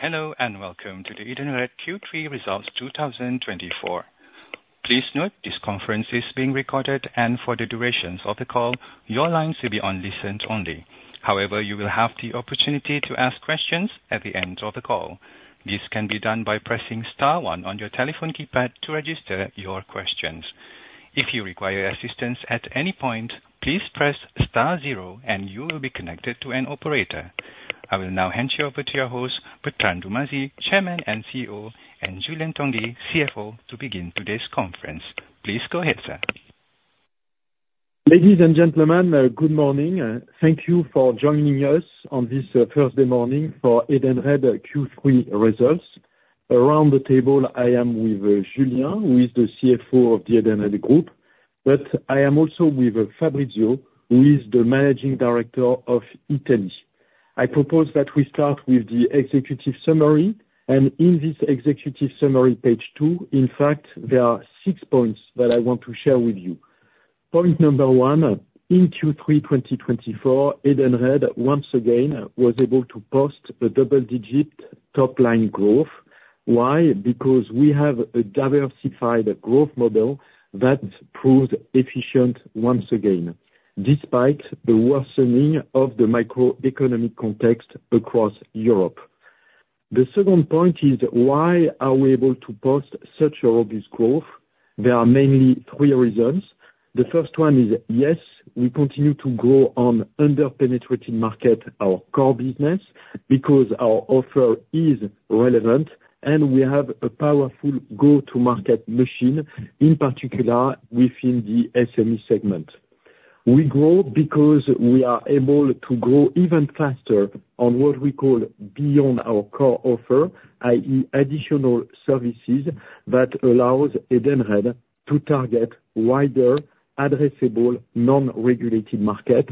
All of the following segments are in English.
Hello, and welcome to the Edenred Q3 Results 2024. Please note this conference is being recorded, and for the duration of the call, your lines will be on listen-only. However, you will have the opportunity to ask questions at the end of the call. This can be done by pressing star one on your telephone keypad to register your questions. If you require assistance at any point, please press star zero and you will be connected to an operator. I will now hand you over to your host, Bertrand Dumazy, Chairman and CEO, and Julien Tanguy, CFO, to begin today's conference. Please go ahead, sir. Ladies and gentlemen, good morning, and thank you for joining us on this Thursday morning for Edenred Q3 results. Around the table, I am with Julien, who is the CFO of the Edenred group, but I am also with Fabrizio, who is the Managing Director of Italy. I propose that we start with the executive summary, and in this executive summary, page 2, in fact, there are six points that I want to share with you. Point number one: in Q3 2024, Edenred, once again, was able to post a double digit top line growth. Why? Because we have a diversified growth model that proved efficient once again, despite the worsening of the macroeconomic context across Europe. The second point is, why are we able to post such obvious growth? There are mainly three reasons. The first one is, yes, we continue to grow on under-penetrated market, our core business, because our offer is relevant, and we have a powerful go-to-market machine, in particular, within the SME segment. We grow because we are able to grow even faster on what we call beyond our core offer, i.e., additional services that allows Edenred to target wider, addressable, non-regulated market,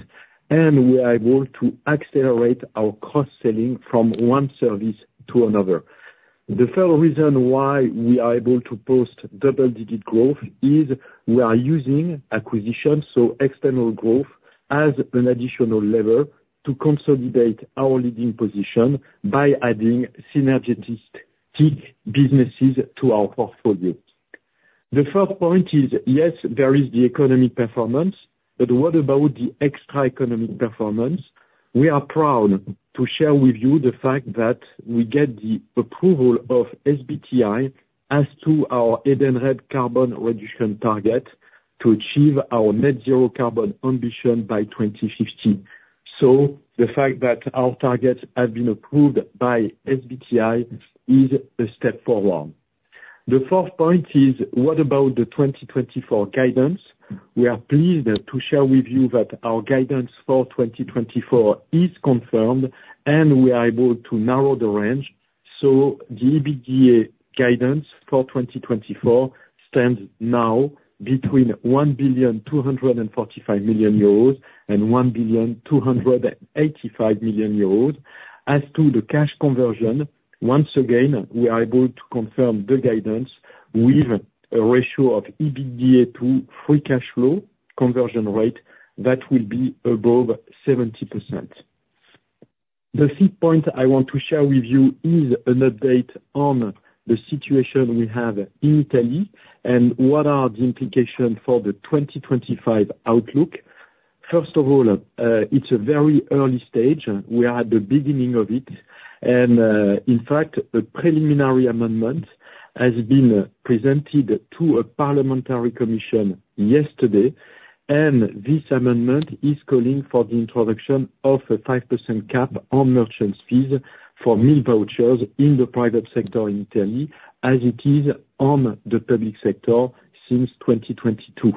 and we are able to accelerate our cross-selling from one service to another. The third reason why we are able to post double-digit growth is we are using acquisitions, so external growth as an additional lever to consolidate our leading position by adding synergistic businesses to our portfolio. The fourth point is, yes, there is the economic performance, but what about the extra economic performance? We are proud to share with you the fact that we get the approval of SBTi as to our Edenred carbon reduction target to achieve our net zero carbon ambition by 2050. So the fact that our targets have been approved by SBTi is a step forward. The fourth point is: What about the 2024 guidance? We are pleased to share with you that our guidance for 2024 is confirmed, and we are able to narrow the range. So the EBITDA guidance for 2024 stands now between 1.245 billion and 1.285 billion. As to the cash conversion, once again, we are able to confirm the guidance with a ratio of EBITDA to free cash flow conversion rate that will be above 70%. The fifth point I want to share with you is an update on the situation we have in Italy, and what are the implications for the 2025 outlook. First of all, it's a very early stage, we are at the beginning of it. And, in fact, a preliminary amendment has been presented to a parliamentary commission yesterday, and this amendment is calling for the introduction of a 5% cap on merchant fees for meal vouchers in the private sector in Italy, as it is on the public sector since 2022.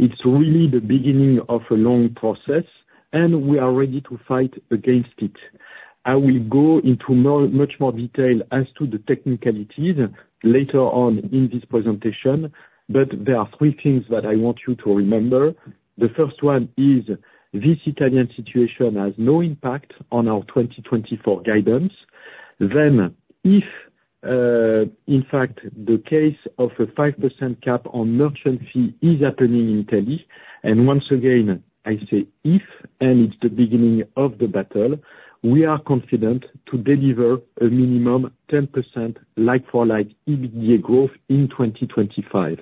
It's really the beginning of a long process, and we are ready to fight against it. I will go into more, much more detail as to the technicalities later on in this presentation, but there are three things that I want you to remember. The first one is, this Italian situation has no impact on our 2024 guidance. Then, if, in fact, the case of a 5% cap on merchant fee is happening in Italy, and once again, I say if, and it's the beginning of the battle, we are confident to deliver a minimum 10% like-for-like EBITDA growth in 2025.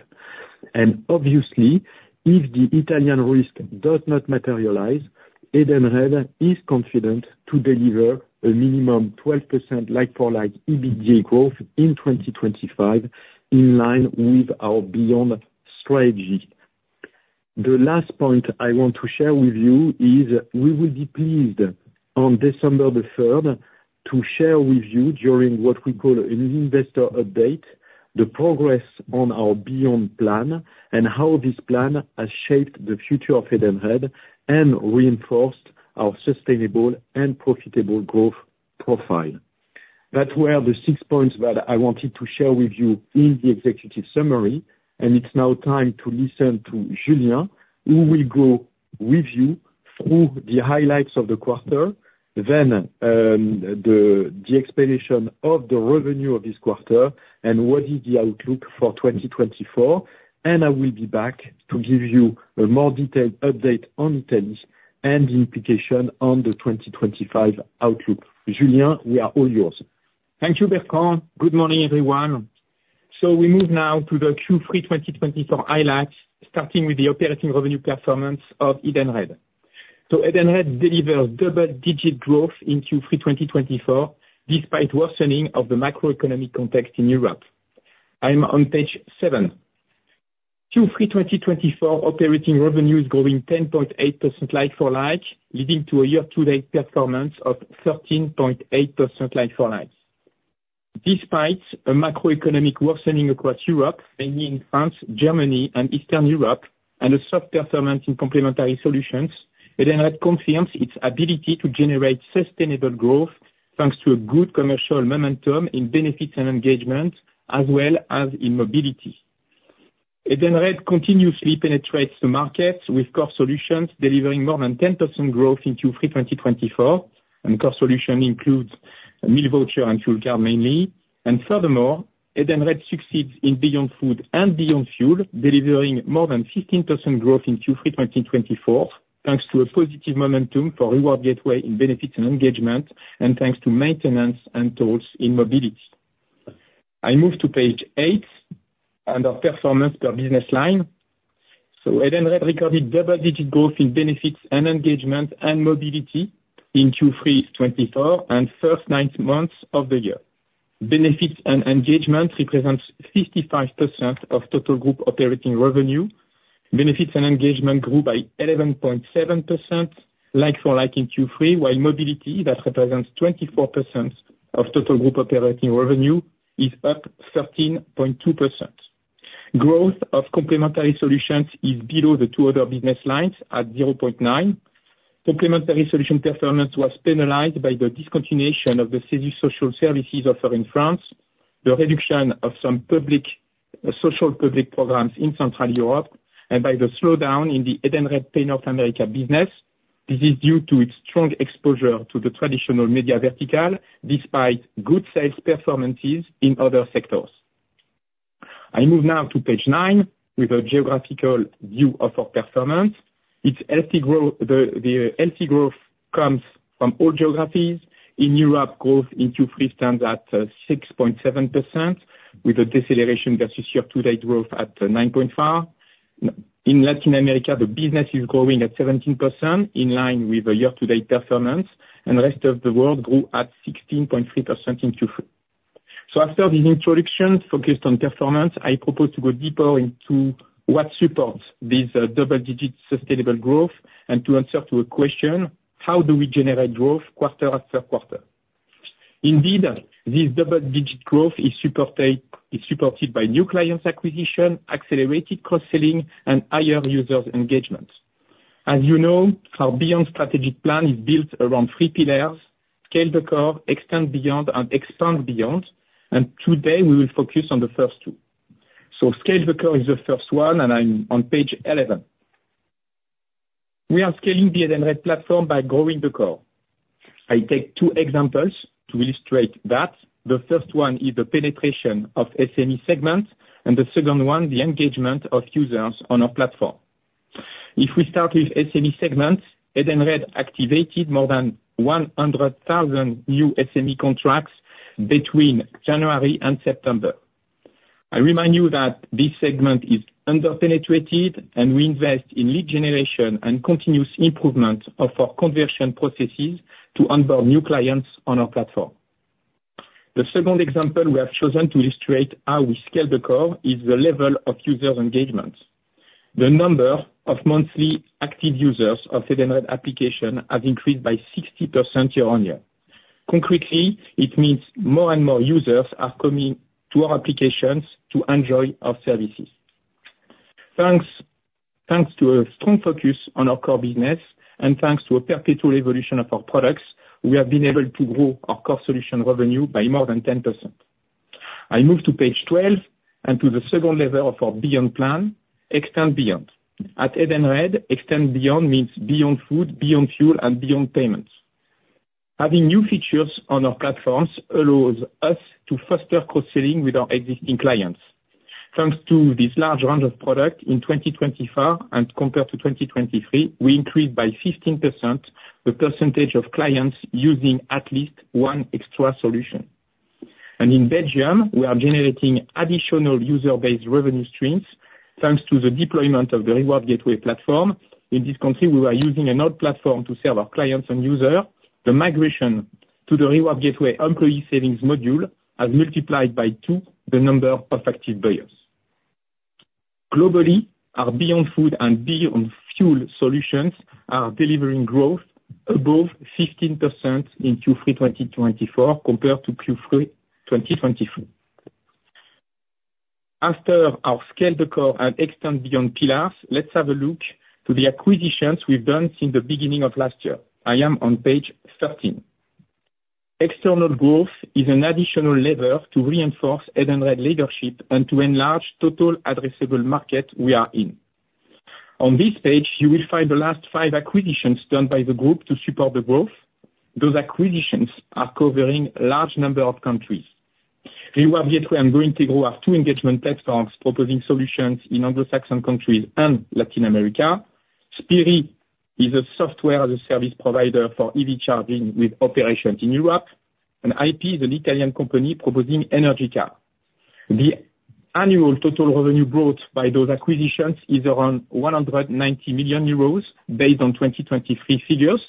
And obviously, if the Italian risk does not materialize, Edenred is confident to deliver a minimum 12% like-for-like EBITDA growth in 2025, in line with our beyond strategy. The last point I want to share with you is we will be pleased, on December 3rd, to share with you, during what we call an investor update, the progress on our beyond plan, and how this plan has shaped the future of Edenred and reinforced our sustainable and profitable growth profile. That were the six points that I wanted to share with you in the executive summary, and it's now time to listen to Julien, who will go with you through the highlights of the quarter, then, the explanation of the revenue of this quarter and what is the outlook for 2024. I will be back to give you a more detailed update on Italy and the implication on the 2025 outlook. Julien, we are all yours. Thank you, Bertrand. Good morning, everyone... So we move now to the Q3 2024 highlights, starting with the operating revenue performance of Edenred. So Edenred delivered double-digit growth in Q3 2024, despite worsening of the macroeconomic context in Europe. I'm on page 7. Q3 2024 operating revenue is growing 10.8% like-for-like, leading to a year-to-date performance of 13.8% like-for-like. Despite a macroeconomic worsening across Europe, mainly in France, Germany, and Eastern Europe, and a soft performance in complementary solutions, Edenred confirms its ability to generate sustainable growth, thanks to a good commercial momentum in Benefits and Engagement, as well as in Mobility. Edenred continuously penetrates the market with core solutions, delivering more than 10% growth in Q3 2024. And core solution includes a meal voucher and fuel card, mainly. Furthermore, Edenred succeeds in Beyond Food and Beyond Fuel, delivering more than 15% growth in Q3 2024, thanks to a positive momentum for Reward Gateway in Benefits and Engagement, and thanks to maintenance and tolls in Mobility. I move to page 8, and of performance per business line. Edenred recorded double-digit growth in Benefits and Engagement and Mobility in Q3 2024, and first nine months of the year. Benefits and Engagement represents 55% of total group operating revenue. Benefits and Engagement grew by 11.7% like-for-like in Q3, while Mobility, that represents 24% of total group operating revenue, is up 13.2%. Growth of Complementary Solutions is below the two other business lines at 0.9%. Complementary solution performance was penalized by the discontinuation of the CESU social services offer in France, the reduction of some public social programs in Central Europe, and by the slowdown in the Edenred Pay North America business. This is due to its strong exposure to the traditional media vertical, despite good sales performances in other sectors. I move now to page 9, with a geographical view of our performance. Its healthy growth comes from all geographies. In Europe, growth in Q3 stands at 6.7%, with a deceleration versus year-to-date growth at 9.5%. In Latin America, the business is growing at 17%, in line with the year-to-date performance, and the rest of the world grew at 16.3% in Q3. After this introduction focused on performance, I propose to go deeper into what supports this double-digit sustainable growth, and to answer to a question: How do we generate growth quarter after quarter? Indeed, this double-digit growth is supported by new clients' acquisition, accelerated cross-selling, and higher users engagement. As you know, our Beyond strategic plan is built around three pillars: Scale the Core, Extend Beyond and Expand Beyond. Today, we will focus on the first two. Scale the Core is the first one, and I'm on page 11. We are scaling the Edenred platform by growing the core. I take two examples to illustrate that. The first one is the penetration of SME segments, and the second one, the engagement of users on our platform. If we start with SME segments, Edenred activated more than 100,000 new SME contracts between January and September. I remind you that this segment is under-penetrated, and we invest in lead generation and continuous improvement of our conversion processes to onboard new clients on our platform. The second example we have chosen to illustrate how we scale the core is the level of user engagement. The number of monthly active users of Edenred application has increased by 60% year-on-year. Concretely, it means more and more users are coming to our applications to enjoy our services. Thanks, thanks to a strong focus on our core business, and thanks to a perpetual evolution of our products, we have been able to grow our core solution revenue by more than 10%. I move to page 12, and to the second level of our Beyond plan, extend beyond. At Edenred, extend beyond means Beyond Food, Beyond Fuel, and Beyond Payments. Having new features on our platforms allows us to foster cross-selling with our existing clients. Thanks to this large range of product, in 2025 and compared to 2023, we increased by 15% the percentage of clients using at least one extra solution. In Belgium, we are generating additional user-based revenue streams, thanks to the deployment of the Reward Gateway platform. In this country, we were using an old platform to serve our clients and users. The migration to the Reward Gateway employee savings module has multiplied by two the number of active buyers. Globally, our Beyond Food and Beyond Fuel solutions are delivering growth above 15% in Q3 2024, compared to Q3 2023. After our Scale the Core and extend beyond pillars, let's have a look to the acquisitions we've done since the beginning of last year. I am on page 13. External growth is an additional lever to reinforce Edenred leadership and to enlarge total addressable market we are in. On this page, you will find the last five acquisitions done by the group to support the growth. Those acquisitions are covering a large number of countries. Reward Gateway and GOintego are two engagement platforms proposing solutions in Anglo-Saxon countries and Latin America. Spirii is a software as a service provider for EV charging with operations in Europe, and IP is an Italian company proposing energy card. The annual total revenue brought by those acquisitions is around 190 million euros, based on 2023 figures,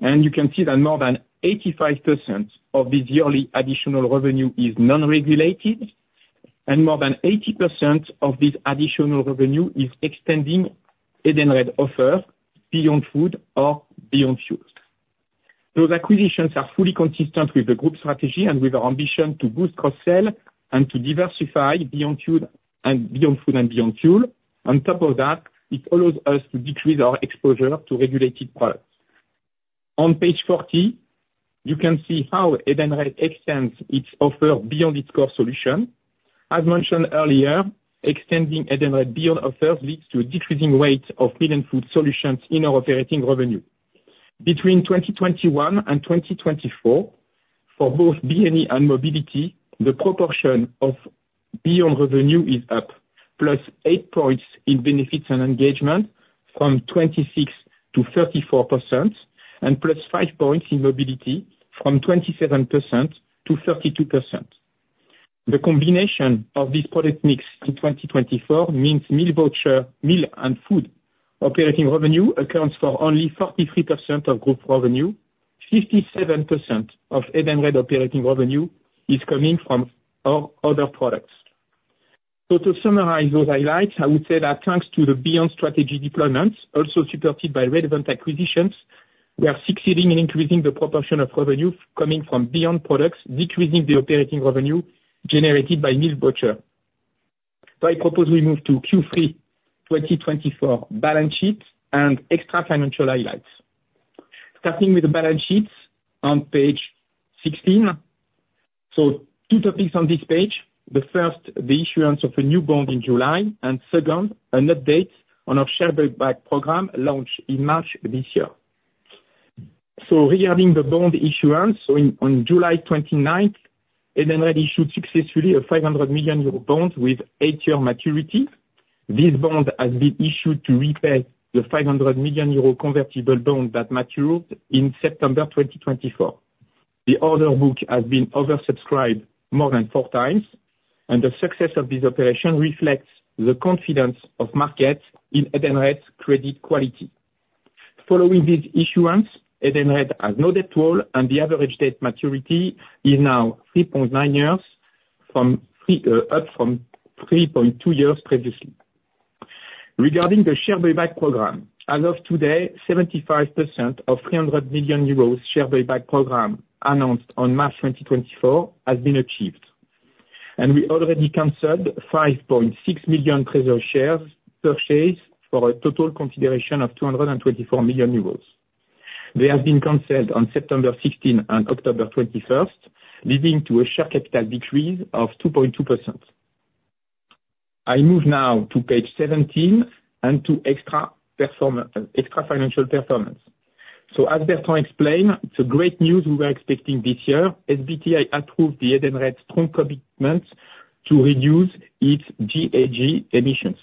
and you can see that more than 85% of this yearly additional revenue is non-regulated, and more than 80% of this additional revenue is extending Edenred offer Beyond Food or Beyond Fuel. Those acquisitions are fully consistent with the group strategy and with our ambition to boost cross-sell and to diversify Beyond Food, and Beyond Food and Beyond Fuel. On top of that, it allows us to decrease our exposure to regulated products. On page 14, you can see how Edenred extends its offer beyond its core solution. As mentioned earlier, extending Edenred beyond offers leads to a decreasing rate of meal and food solutions in our operating revenue. Between 2021 and 2024, for both BNE and Mobility, the proportion of beyond revenue is up, +8 points in Benefits and Engagement from 26%-34% and +5 points in Mobility from 27%-32%. The combination of these product mix in 2024 means meal voucher, meal and food operating revenue accounts for only 43% of group revenue. 57% of Edenred operating revenue is coming from our other products. So to summarize those highlights, I would say that thanks to the beyond strategy deployment, also supported by relevant acquisitions, we are succeeding in increasing the proportion of revenue coming from beyond products, decreasing the operating revenue generated by meal voucher. So I propose we move to Q3 2024 balance sheets and extrafinancial highlights. Starting with the balance sheets on page 16. So two topics on this page. The first, the issuance of a new bond in July, and second, an update on our share buyback program launched in March this year. Regarding the bond issuance, on July 29th, Edenred issued successfully a 500 million euro bond with eight-year maturity. This bond has been issued to repay the 500 million euro convertible bond that matures in September 2024. The order book has been oversubscribed more than four times, and the success of this operation reflects the confidence of markets in Edenred's credit quality. Following this issuance, Edenred has no debt rollover, and the average debt maturity is now 3.9 years, up from 3.2 years previously. Regarding the share buyback program, as of today, 75% of 300 million euros share buyback program announced on March 2024 has been achieved, and we already canceled 5.6 million treasury shares purchased for a total consideration of 224 million euros. They have been canceled on September 16th and October 21st, leading to a share capital decrease of 2.2%. I move now to page 17 and to extra financial performance. So as Bertrand explained, it's a great news we were expecting this year. SBTI approved Edenred's strong commitment to reduce its GHG emissions.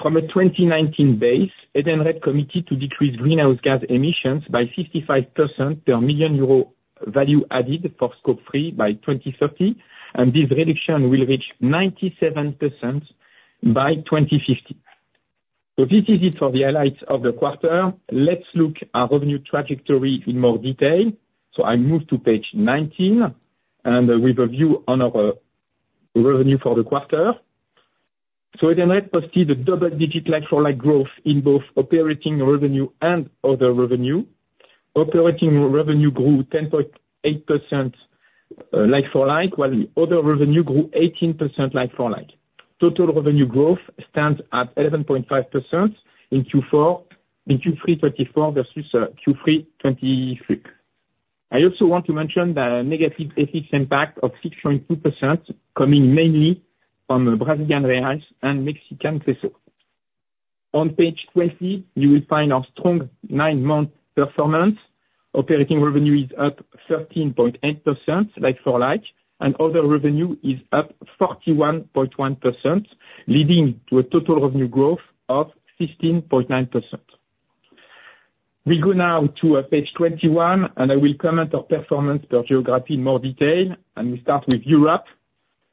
From a 2019 base, Edenred committed to decrease greenhouse gas emissions by 55% per 1 million euro value added for Scope 3 by 2030, and this reduction will reach 97% by 2050. This is it for the highlights of the quarter. Let's look at revenue trajectory in more detail. I move to page 19, and with a view on our revenue for the quarter. Edenred posted a double-digit like-for-like growth in both operating revenue and other revenue. Operating revenue grew 10.8% like-for-like, while the other revenue grew 18% like-for-like. Total revenue growth stands at 11.5% in Q4 in Q3 2024 versus Q3 2023. I also want to mention the negative FX impact of 6.2% coming mainly from Brazilian real and Mexican peso. On page 20, you will find our strong nine-month performance. Operating revenue is up 13.8% like-for-like, and other revenue is up 41.1%, leading to a total revenue growth of 16.9%. We go now to page 21, and I will comment on performance per geography in more detail, and we start with Europe,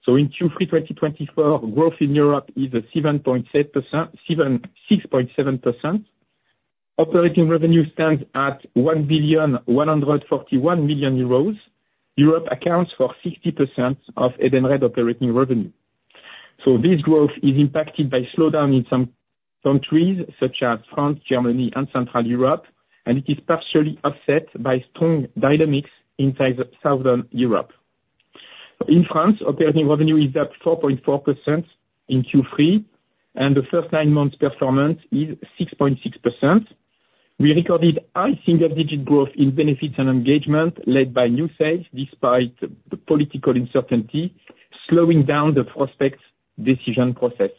so in Q3 2024, growth in Europe is at 7.8%, 6.7%. Operating revenue stands at 1.141 billion. Europe accounts for 60% of Edenred operating revenue, so this growth is impacted by slowdown in some countries such as France, Germany, and Central Europe, and it is partially offset by strong dynamics inside Southern Europe. In France, operating revenue is up 4.4% in Q3, and the first nine months' performance is 6.6%. We recorded high single-digit growth in Benefits and Engagement, led by new sales despite the political uncertainty slowing down the prospects' decision process.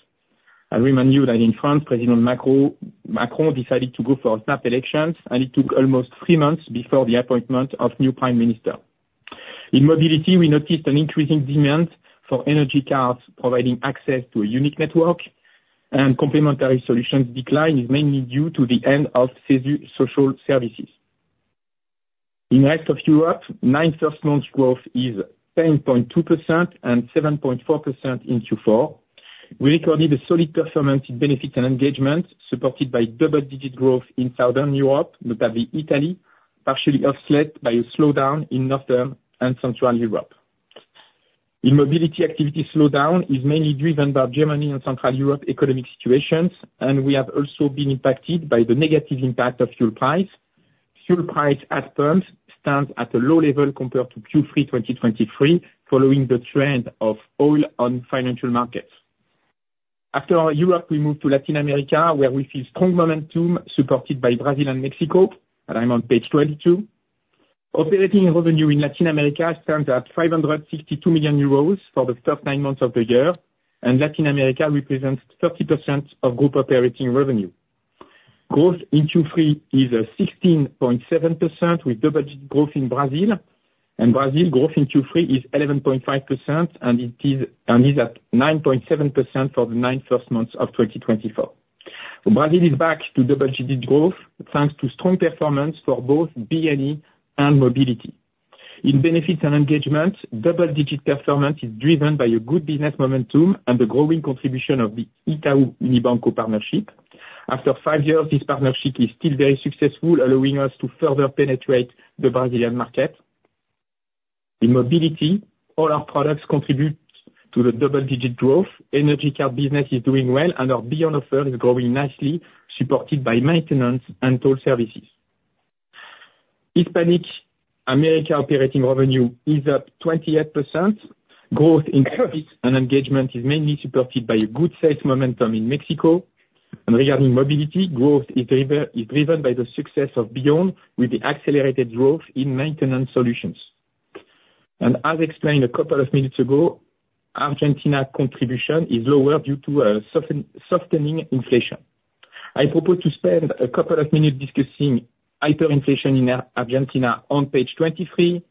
I remind you that in France, President Macron decided to go for snap elections, and it took almost three months before the appointment of new prime minister. In Mobility, we noticed an increasing demand for energy cards, providing access to a unique network, and complementary solutions decline is mainly due to the end of CESU social services. In the rest of Europe, first nine months growth is 10.2% and 7.4% in Q4. We recorded a solid performance in Benefits and Engagement, supported by double-digit growth in Southern Europe, notably Italy, partially offset by a slowdown in Northern and Central Europe. In Mobility, activity slowdown is mainly driven by Germany and Central Europe economic situations, and we have also been impacted by the negative impact of fuel price. Fuel price at pumps stands at a low level compared to Q3 2023, following the trend of oil on financial markets. After Europe, we move to Latin America, where we see strong momentum supported by Brazil and Mexico, and I'm on page 22. Operating revenue in Latin America stands at 562 million euros for the first nine months of the year, and Latin America represents 30% of group operating revenue. Growth in Q3 is 16.7%, with double-digit growth in Brazil, and Brazil growth in Q3 is 11.5%, and it is at 9.7% for the nine first months of 2024. Brazil is back to double-digit growth, thanks to strong performance for both BNE and Mobility. In Benefits and Engagement, double-digit performance is driven by a good business momentum and the growing contribution of the Itaú Unibanco partnership. After five years, this partnership is still very successful, allowing us to further penetrate the Brazilian market. In Mobility, all our products contribute to the double-digit growth. Energy card business is doing well, and our Beyond offer is growing nicely, supported by maintenance and toll services. Hispanic America operating revenue is up 28%. Growth in service and engagement is mainly supported by a good sales momentum in Mexico. Regarding Mobility, growth is driven by the success of Beyond with the accelerated growth in maintenance solutions. As explained a couple of minutes ago, Argentina contribution is lower due to softening inflation. I propose to spend a couple of minutes discussing hyperinflation in Argentina on page 23.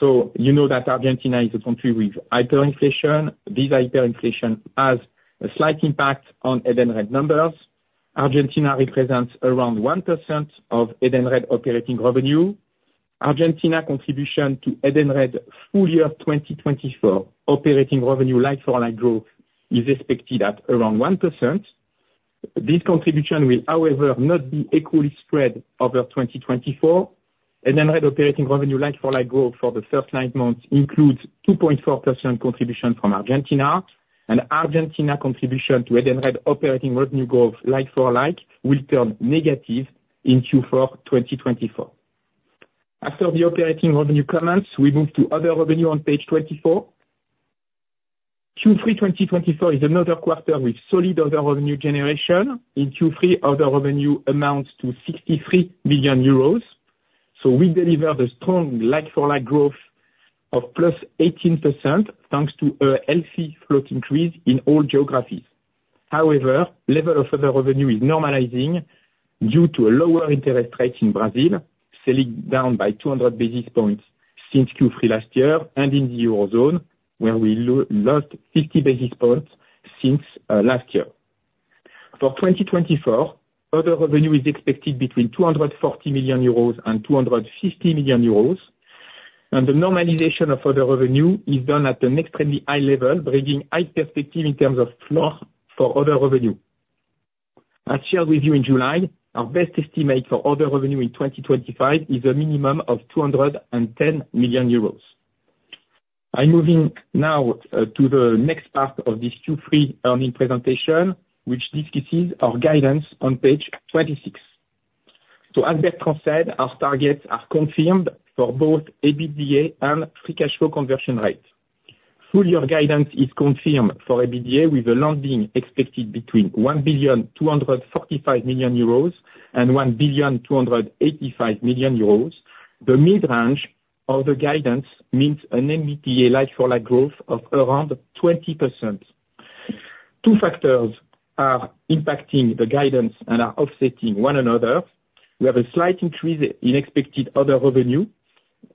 So you know that Argentina is a country with hyperinflation. This hyperinflation has a slight impact on Edenred numbers. Argentina represents around 1% of Edenred operating revenue. Argentina contribution to Edenred full year 2024 operating revenue, like-for-like growth, is expected at around 1%. This contribution will, however, not be equally spread over 2024, and then operating revenue like-for-like growth for the first nine months includes 2.4% contribution from Argentina, and Argentina contribution to Edenred operating revenue growth like-for-like, will turn negative in Q4 2024. After the operating revenue comments, we move to other revenue on page 24. Q3 2024 is another quarter with solid other revenue generation. In Q3, other revenue amounts to 63 million euros, so we delivered a strong like-for-like growth of +18%, thanks to a healthy float increase in all geographies. However, level of other revenue is normalizing due to a lower interest rate in Brazil, Selic down by 200 basis points since Q3 last year, and in the Eurozone, where we lost 50 basis points since last year. For 2024, other revenue is expected between 240 million euros and 250 million euros, and the normalization of other revenue is done at an extremely high level, bringing high perspective in terms of flow for other revenue. As shared with you in July, our best estimate for other revenue in 2025 is a minimum of 210 million euros. I'm moving now to the next part of this Q3 earnings presentation, which discusses our guidance on page 26. So as Bertrand said, our targets are confirmed for both EBITDA and free cash flow conversion rate. Full year guidance is confirmed for EBITDA, with the low end being expected between 1.245 billion and 1.285 billion. The mid-range of the guidance means an EBITDA like-for-like growth of around 20%. Two factors are impacting the guidance and are offsetting one another. We have a slight increase in unexpected other revenue,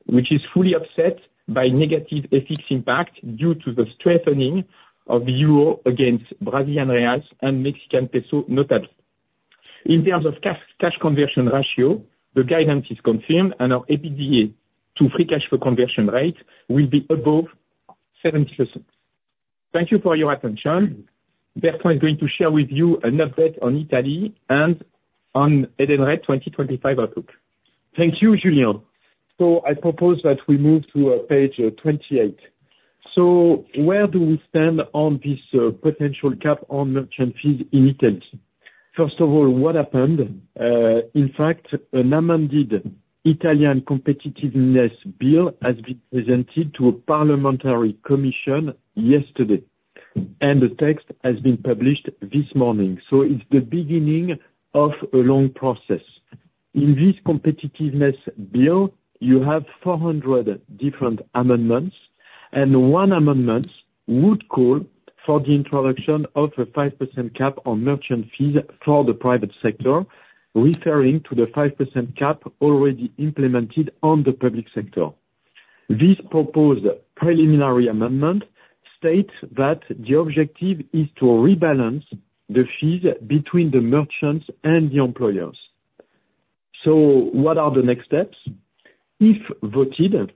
which is fully offset by negative FX impact due to the strengthening of the euro against Brazilian reals and Mexican peso, notably. In terms of cash, cash conversion ratio, the guidance is confirmed, and our EBITDA to free cash flow conversion rate will be above 70%. Thank you for your attention. Bertrand is going to share with you an update on Italy and on Edenred 2025 outlook. Thank you, Julien. So I propose that we move to page 28. So where do we stand on this potential cap on merchant fees in Italy? First of all, what happened? In fact, an amended Italian competitiveness bill has been presented to a parliamentary commission yesterday, and the text has been published this morning, so it's the beginning of a long process. In this competitiveness bill, you have 400 different amendments and one amendment would call for the introduction of a 5% cap on merchant fees for the private sector, referring to the 5% cap already implemented on the public sector. This proposed preliminary amendment states that the objective is to rebalance the fees between the merchants and the employers. So what are the next steps? If voted,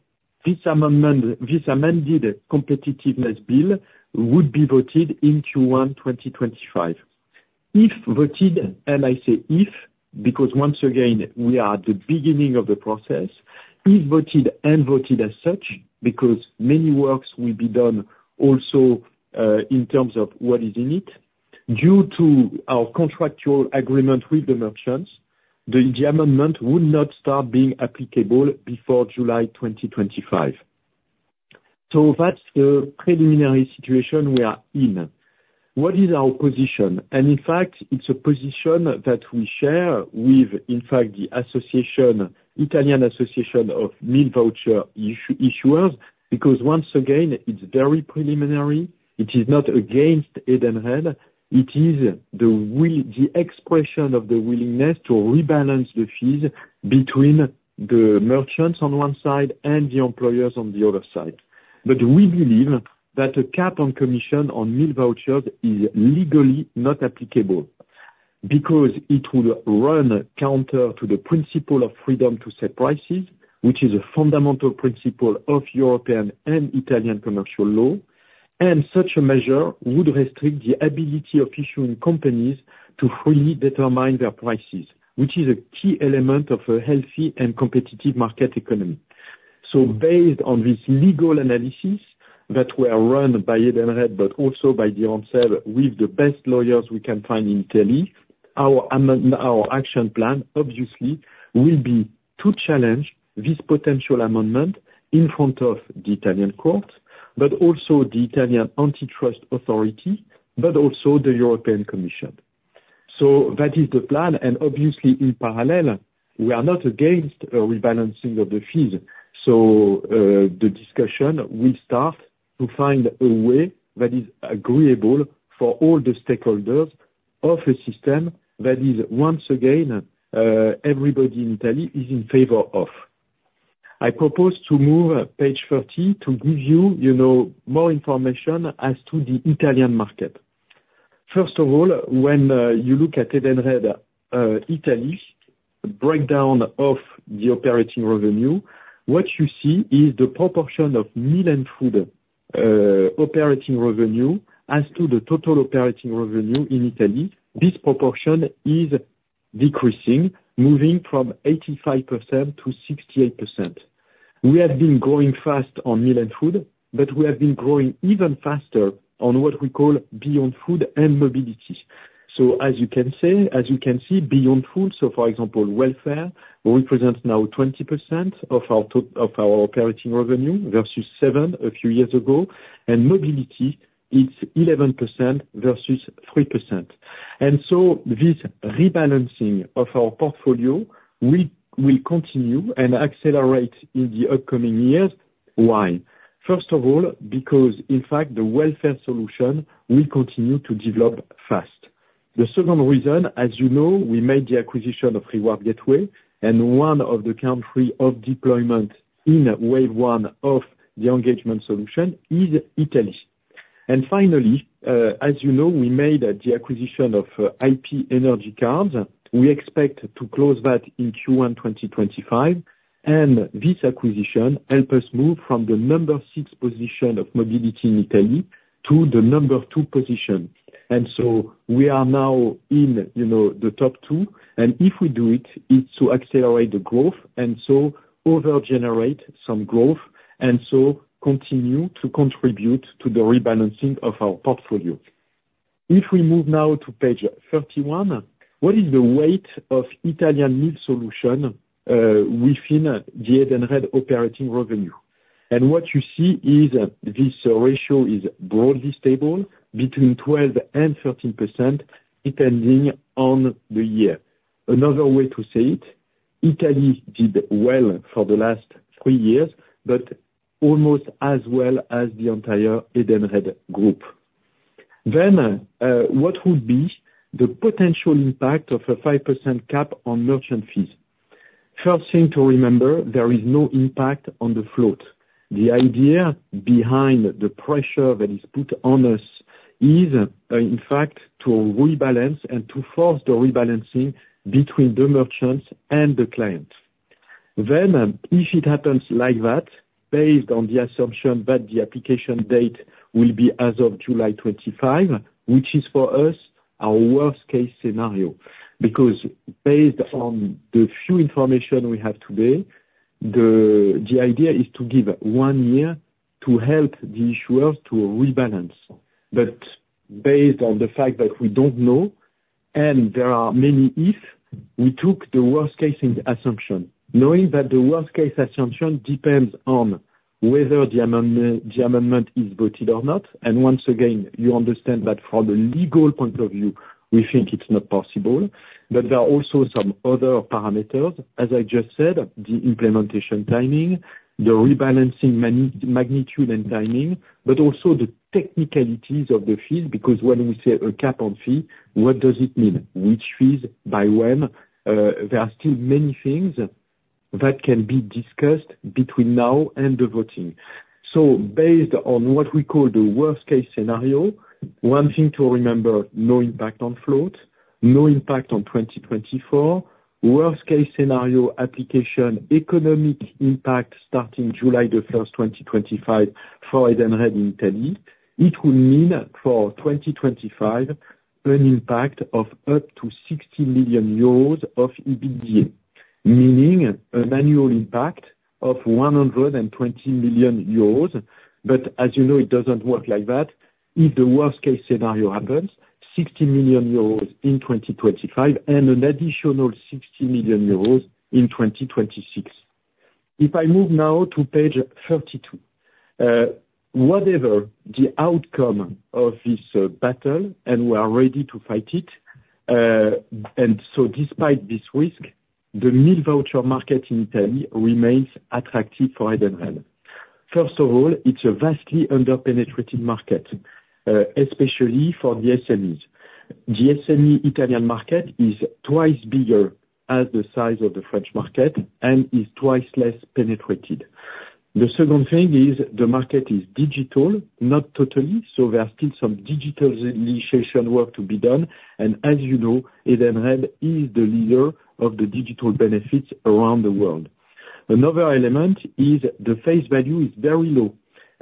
this amendment, this amended competitiveness bill would be voted in Q1 2025. If voted, and I say if, because once again, we are at the beginning of the process, if voted and voted as such, because many works will be done also, in terms of what is in it. Due to our contractual agreement with the merchants, the amendment would not start being applicable before July 2025. So that's the preliminary situation we are in. What is our position? And in fact, it's a position that we share with, in fact, the association, Italian Association of Meal Voucher Issuers, because once again, it's very preliminary. It is not against Edenred, it is the expression of the willingness to rebalance the fees between the merchants on one side and the employers on the other side. But we believe that a cap on commission on meal vouchers is legally not applicable, because it would run counter to the principle of freedom to set prices, which is a fundamental principle of European and Italian commercial law. And such a measure would restrict the ability of issuing companies to freely determine their prices, which is a key element of a healthy and competitive market economy. So based on this legal analysis that were run by Edenred, but also by themselves, with the best lawyers we can find in Italy, our action plan obviously will be to challenge this potential amendment in front of the Italian court, but also the Italian antitrust authority, but also the European Commission. So that is the plan, and obviously in parallel, we are not against a rebalancing of the fees. So, the discussion will start to find a way that is agreeable for all the stakeholders of a system that is, once again, everybody in Italy is in favor of. I propose to move page 30 to give you, you know, more information as to the Italian market. First of all, when you look at Edenred Italy's breakdown of the operating revenue, what you see is the proportion of meal and food operating revenue as to the total operating revenue in Italy. This proportion is decreasing, moving from 85%-68%. We have been growing fast on meal and food, but we have been growing even faster on what we call Beyond Food and Mobility. As you can see, Beyond Food, so for example, welfare represents now 20% of our of our operating revenue, versus 7% a few years ago, and Mobility is 11% versus 3%. This rebalancing of our portfolio will continue and accelerate in the upcoming years. Why? First of all, because, in fact, the welfare solution will continue to develop fast. The second reason, as you know, we made the acquisition of Reward Gateway, and one of the country of deployment in wave one of the engagement solution is Italy. And finally, as you know, we made the acquisition of IP Energy Cards. We expect to close that in Q1 2025. And this acquisition help us move from the number six position of Mobility in Italy to the number two position. And so we are now in, you know, the top two, and if we do it, it's to accelerate the growth, and so over-generate some growth, and so continue to contribute to the rebalancing of our portfolio. If we move now to page 31, what is the weight of Italian meal solution within the Edenred operating revenue? And what you see is this ratio is broadly stable between 12% and 13%, depending on the year. Another way to say it, Italy did well for the last three years, but almost as well as the entire Edenred group. Then, what would be the potential impact of a 5% cap on merchant fees? First thing to remember, there is no impact on the float. The idea behind the pressure that is put on us is, in fact, to rebalance and to force the rebalancing between the merchants and the clients. Then, if it happens like that, based on the assumption that the application date will be as of July 2025, which is for us, our worst-case scenario, because based on the few information we have today, the idea is to give one year to help the issuers to rebalance. But based on the fact that we don't know and there are many if, we took the worst case in the assumption, knowing that the worst case assumption depends on whether the amendment is voted or not. And once again, you understand that from the legal point of view, we think it's not possible. But there are also some other parameters, as I just said, the implementation timing, the rebalancing magnitude and timing, but also the technicalities of the fees, because when we say a cap on fee, what does it mean? Which fees? By when? There are still many things that can be discussed between now and the voting. So based on what we call the worst case scenario, one thing to remember, no impact on float, no impact on 2024. Worst case scenario, application, economic impact starting July 1st, 2025, for Edenred in Italy, it will mean for 2025, an impact of up to 60 million euros of EBITDA. Meaning an annual impact of 120 million euros, but as you know, it doesn't work like that. If the worst case scenario happens, 60 million euros in 2025, and an additional 60 million euros in 2026. If I move now to page 32, whatever the outcome of this battle, and we are ready to fight it, and so despite this risk, the meal voucher market in Italy remains attractive for Edenred. First of all, it's a vastly under-penetrated market, especially for the SMEs. The SME Italian market is twice bigger as the size of the French market, and is twice less penetrated. The second thing is, the market is digital, not totally, so there are still some digital initiation work to be done, and as you know, Edenred is the leader of the digital benefits around the world. Another element is the face value is very low,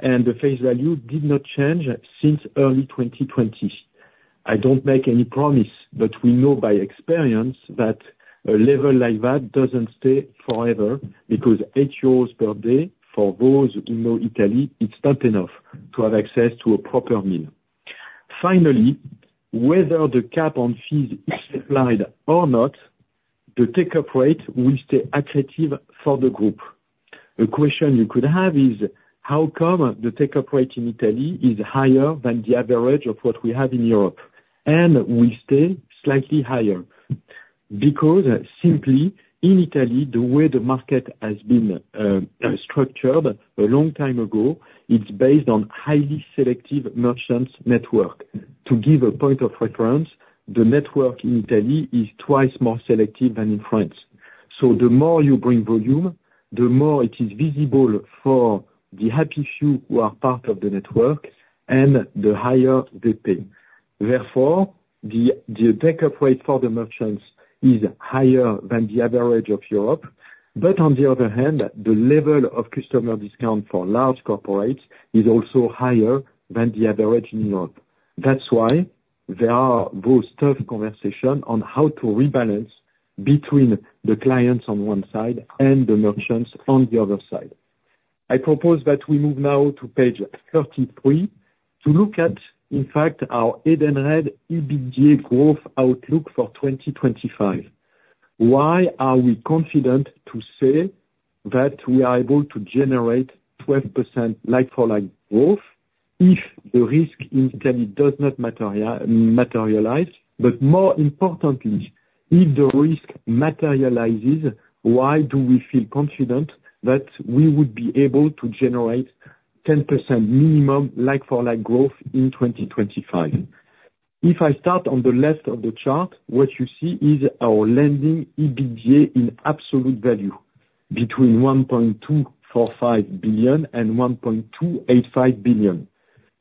and the face value did not change since early 2020. I don't make any promise, but we know by experience that a level like that doesn't stay forever, because 8 euros per day for those who know Italy, it's not enough to have access to a proper meal. Finally, whether the cap on fees is applied or not, the take-up rate will stay attractive for the group. A question you could have is, how come the take-up rate in Italy is higher than the average of what we have in Europe, and will stay slightly higher? Because, simply, in Italy, the way the market has been structured a long time ago, it's based on highly selective merchants network. To give a point of reference, the network in Italy is twice more selective than in France. So the more you bring volume, the more it is visible for the happy few who are part of the network, and the higher they pay. Therefore, the take-up rate for the merchants is higher than the average of Europe. But on the other hand, the level of customer discount for large corporates is also higher than the average in Europe. That's why there are those tough conversation on how to rebalance between the clients on one side, and the merchants on the other side. I propose that we move now to page 33, to look at, in fact, our Edenred EBITDA growth outlook for 2025. Why are we confident to say that we are able to generate 12% like-for-like growth if the risk in Italy does not materialize? But more importantly, if the risk materializes, why do we feel confident that we would be able to generate 10% minimum like-for-like growth in 2025? If I start on the left of the chart, what you see is our leading EBITDA in absolute value, between 1.245 billion and 1.285 billion.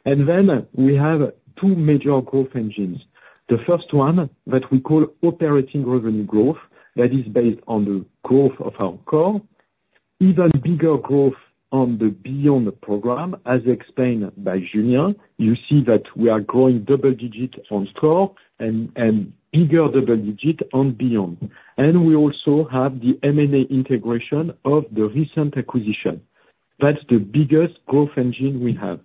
And then we have two major growth engines. The first one, that we call operating revenue growth, that is based on the growth of our core. Even bigger growth on the Beyond program, as explained by Julien, you see that we are growing double digits on core and bigger double digit on Beyond. And we also have the M&A integration of the recent acquisition. That's the biggest growth engine we have.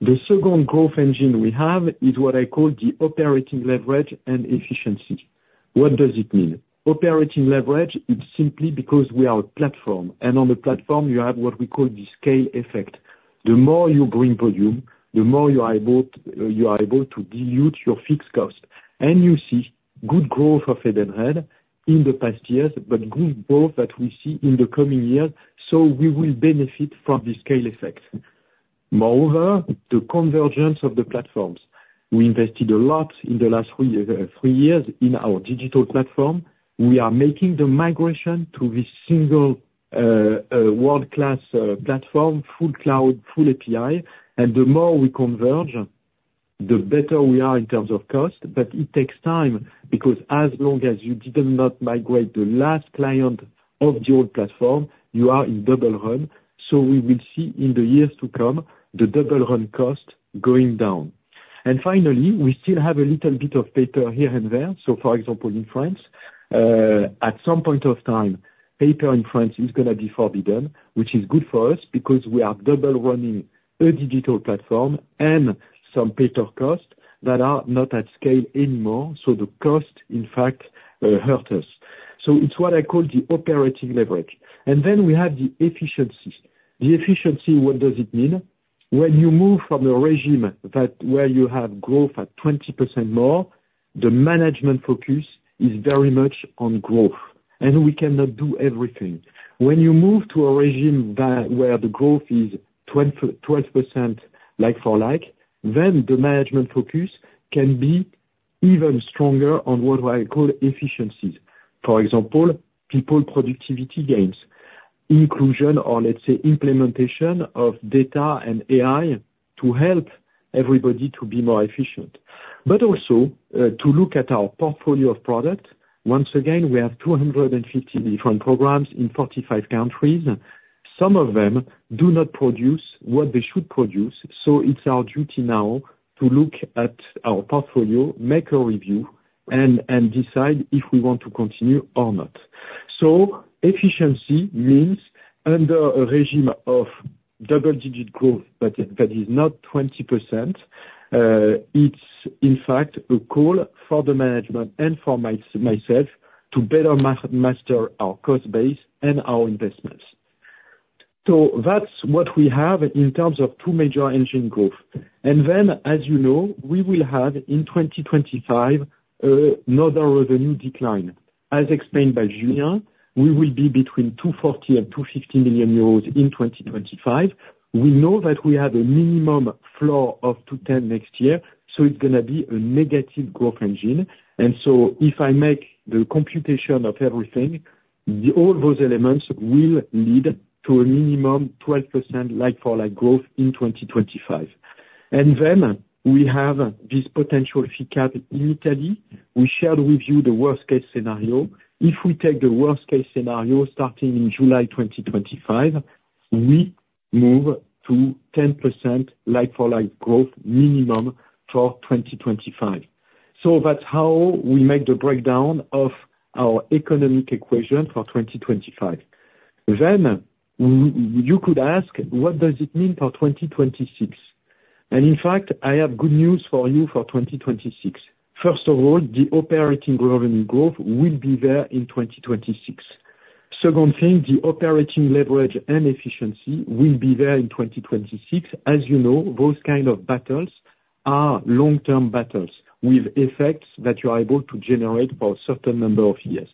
The second growth engine we have is what I call the operating leverage and efficiency. What does it mean? Operating leverage, it's simply because we are a platform, and on the platform you have what we call the scale effect. The more you bring volume, the more you are able to dilute your fixed cost. And you see good growth of Edenred in the past years, but good growth that we see in the coming years, so we will benefit from the scale effect. Moreover, the convergence of the platforms. We invested a lot in the last three years in our digital platform. We are making the migration to this single world-class platform, full cloud, full API, and the more we converge, the better we are in terms of cost. But it takes time, because as long as you did not migrate the last client of the old platform, you are in double run. So we will see in the years to come, the double run cost going down. And finally, we still have a little bit of paper here and there, so for example, in France, at some point of time, paper in France is gonna be forbidden, which is good for us, because we are double running a digital platform and some paper costs that are not at scale anymore, so the cost, in fact, hurt us. So it's what I call the operating leverage. And then we have the efficiencies. The efficiency, what does it mean? When you move from a regime that, where you have growth at 20% more, the management focus is very much on growth, and we cannot do everything. When you move to a regime that, where the growth is 12% like-for-like, then the management focus can be even stronger on what I call efficiencies. For example, people productivity gains, inclusion or, let's say, implementation of data and AI to help everybody to be more efficient. But also, to look at our portfolio of products. Once again, we have 250 different programs in 45 countries. Some of them do not produce what they should produce, so it's our duty now to look at our portfolio, make a review, and decide if we want to continue or not. So efficiency means under a regime of double-digit growth, but that is not 20%, it's in fact a call for the management and for myself to better master our cost base and our investments. So that's what we have in terms of two major engine growth. And then, as you know, we will have, in 2025, another revenue decline. As explained by Julien, we will be between 240 million and 250 million euros in 2025. We know that we have a minimum floor of 210 million next year, so it's gonna be a negative growth engine. And so if I make the computation of everything, the, all those elements will lead to a minimum 12% like-for-like growth in 2025. And then we have this potential fee cap in Italy. We shared with you the worst case scenario. If we take the worst case scenario, starting in July 2025, we move to 10% like-for-like growth minimum for 2025. So that's how we make the breakdown of our economic equation for 2025. Then you could ask: What does it mean for 2026? And in fact, I have good news for you for 2026. First of all, the operating revenue growth will be there in 2026. Second thing, the operating leverage and efficiency will be there in 2026. As you know, those kind of battles are long-term battles with effects that you are able to generate for a certain number of years.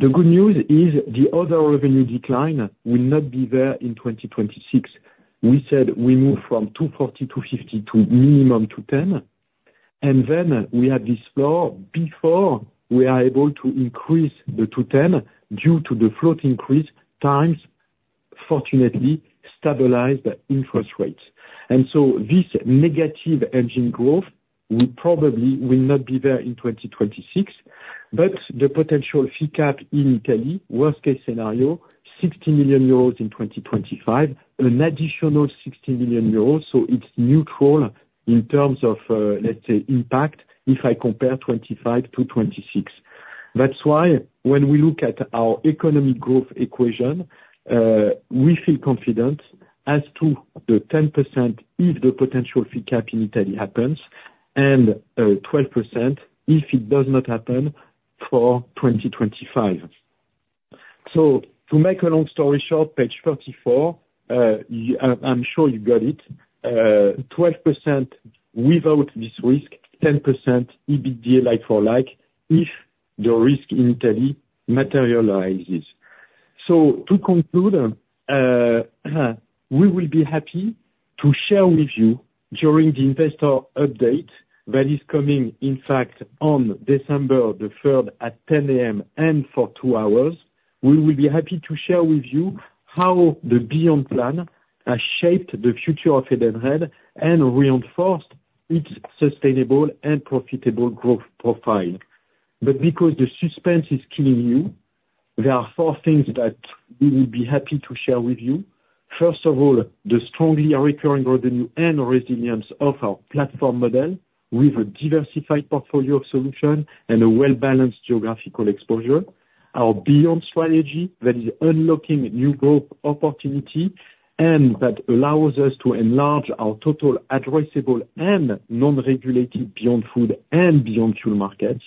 The good news is the other revenue decline will not be there in 2026. We said we move from 240 million, 250 million to minimum 210 million, and then we have this floor before we are able to increase the 210 million due to the float increase, thanks to fortunately stabilized interest rates. And so this negative organic growth will probably not be there in 2026, but the potential fee cap in Italy, worst case scenario, 60 million euros in 2025, an additional 60 million euros, so it's neutral in terms of, let's say, impact, if I compare 2025 to 2026. That's why when we look at our economic growth equation, we feel confident as to the 10% if the potential fee cap in Italy happens, and, 12% if it does not happen for 2025. So to make a long story short, page 34, I'm sure you got it. 12% without this risk, 10% EBITDA like-for-like, if the risk in Italy materializes. To conclude, we will be happy to share with you during the investor update that is coming, in fact, on December 3rd at 10:00 A.M. and for two hours, we will be happy to share with you how the Beyond Plan has shaped the future of Edenred and reinforced its sustainable and profitable growth profile. Because the suspense is killing you, there are four things that we will be happy to share with you. First of all, the strongly recurring revenue and resilience of our platform model, with a diversified portfolio of solution and a well-balanced geographical exposure. Our Beyond strategy, that is unlocking new growth opportunity, and that allows us to enlarge our total addressable and non-regulated Beyond Food and Beyond Fuel markets.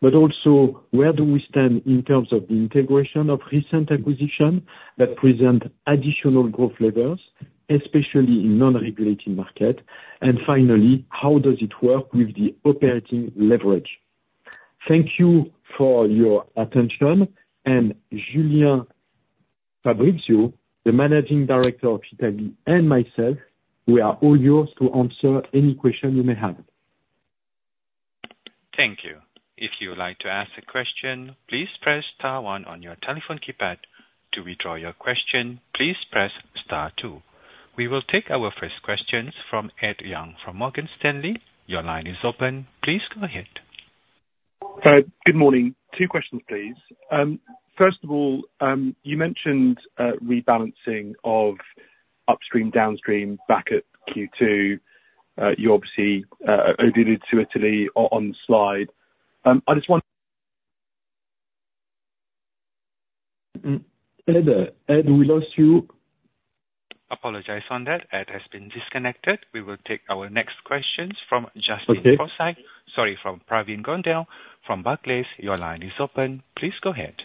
But also, where do we stand in terms of the integration of recent acquisition, that present additional growth levers, especially in non-regulated market? And finally, how does it work with the operating leverage? Thank you for your attention, and Julien, Fabrizio, the Managing Director of Italy, and myself, we are all yours to answer any question you may have. Thank you. If you would like to ask a question, please press star one on your telephone keypad. To withdraw your question, please press star two. We will take our first questions from Ed Young, from Morgan Stanley. Your line is open, please go ahead. Good morning. Two questions, please. First of all, you mentioned rebalancing of upstream, downstream, back at Q2. You obviously alluded to Italy on the slide. I just want- Ed, Ed, we lost you. Apologies on that. Ed has been disconnected. We will take our next questions from Justin Forsythe- Okay. Sorry, from Pravin Gondhale from Barclays, your line is open. Please go ahead.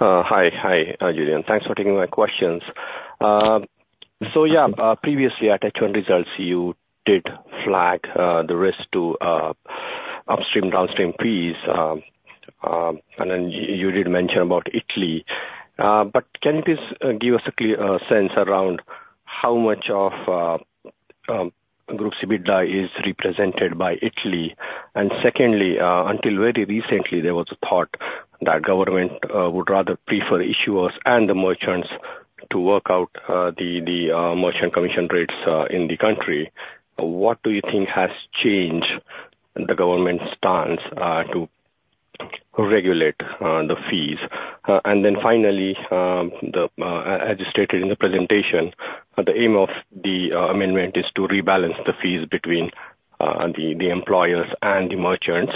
Hi. Hi, Julien. Thanks for taking my questions. So yeah, previously at H1 results, you did flag the risk to upstream, downstream fees. And then you did mention about Italy. But can you please give us a clear sense around how much of group EBITDA is represented by Italy? And secondly, until very recently, there was a thought that government would rather prefer the issuers and the merchants to work out the merchant commission rates in the country. What do you think has changed the government's stance to regulate the fees? And then finally, as stated in the presentation, the aim of the amendment is to rebalance the fees between the employers and the merchants,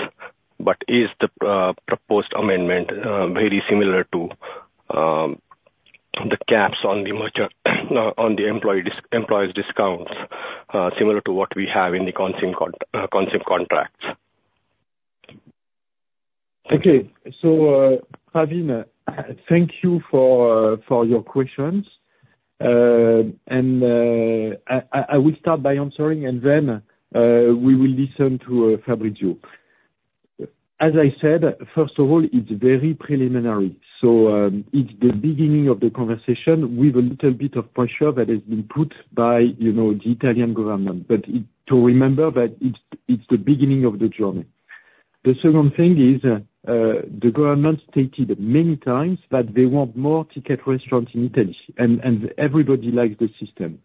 but is the proposed amendment very similar to the caps on the merchant on the employee's discounts, similar to what we have in the Consip contracts? Okay. So Pravin, thank you for your questions. And I will start by answering, and then we will listen to Fabrizio. As I said, first of all, it's very preliminary, so it's the beginning of the conversation with a little bit of pressure that has been put by, you know, the Italian government, but to remember that it's the beginning of the journey. The second thing is the government stated many times that they want more Ticket Restaurants in Italy, and everybody likes the system.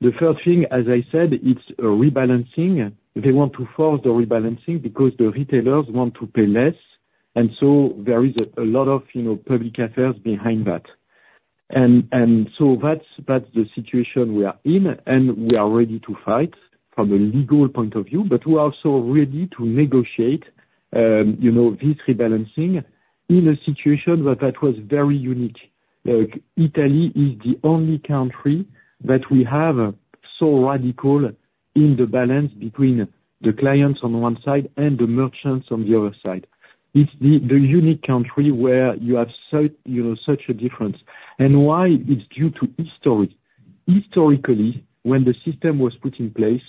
The third thing, as I said, it's a rebalancing. They want to force the rebalancing because the retailers want to pay less, and so there is a lot of, you know, public affairs behind that. So that's the situation we are in, and we are ready to fight from a legal point of view, but we're also ready to negotiate, you know, this rebalancing in a situation where that was very unique. Like, Italy is the only country that we have so radical in the balance between the clients on the one side and the merchants on the other side. It's the unique country where you have such, you know, such a difference. Why? It's due to history. Historically, when the system was put in place,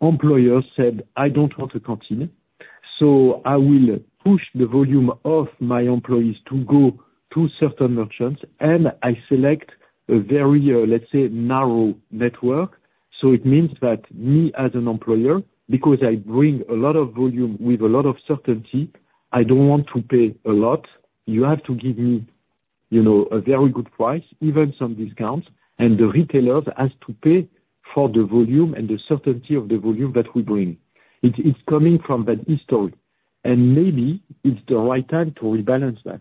employers said, "I don't want to continue, so I will push the volume of my employees to go to certain merchants, and I select a very, let's say, narrow network." So it means that me, as an employer, because I bring a lot of volume with a lot of certainty, I don't want to pay a lot. You have to give me, you know, a very good price, even some discounts, and the retailers has to pay for the volume and the certainty of the volume that we bring. It's coming from that history, and maybe it's the right time to rebalance that.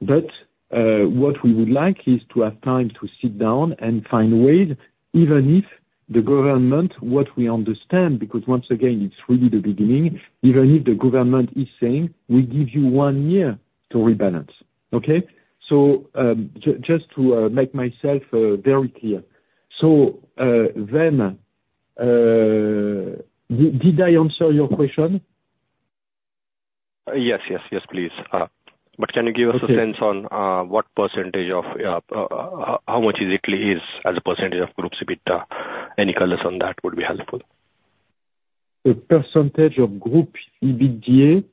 But what we would like is to have time to sit down and find a way, even if the government, what we understand, because once again, it's really the beginning, even if the government is saying, "We give you one year to rebalance." Okay? So just to make myself very clear. So then, did I answer your question? Yes, yes, yes, please. But can you give us- Okay. A sense on what percentage of how much is Italy, as a percentage of group EBITDA? Any colors on that would be helpful. The percentage of group EBITDA,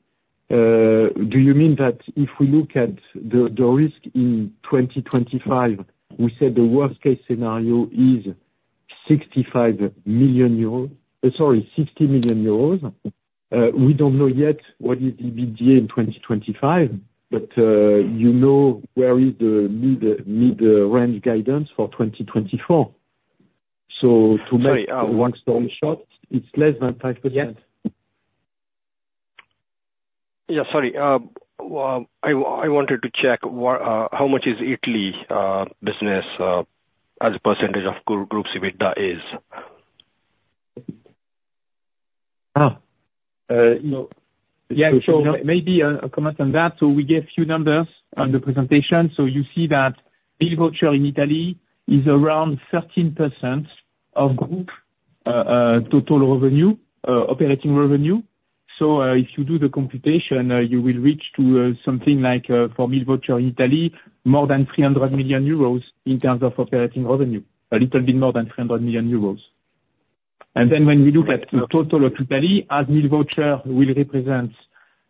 do you mean that if we look at the risk in 2025, we said the worst-case scenario is 65 million euros, sorry, 60 million euros? We don't know yet what is EBITDA in 2025, but, you know where is the mid-range guidance for 2024. So to make- Sorry, uh- Long story short, it's less than 5%. Yeah, sorry, well, I wanted to check how much is Italy business as a percentage of group's EBITDA? You know, yeah, so maybe a comment on that. So we gave a few numbers on the presentation. So you see that in voucher in Italy is around 13% of group total revenue, operating revenue. So if you do the computation, you will reach to something like for meal voucher in Italy, more than 300 million euros in terms of operating revenue. A little bit more than 300 million euros. And then when we look at the total of Italy, as meal voucher will represent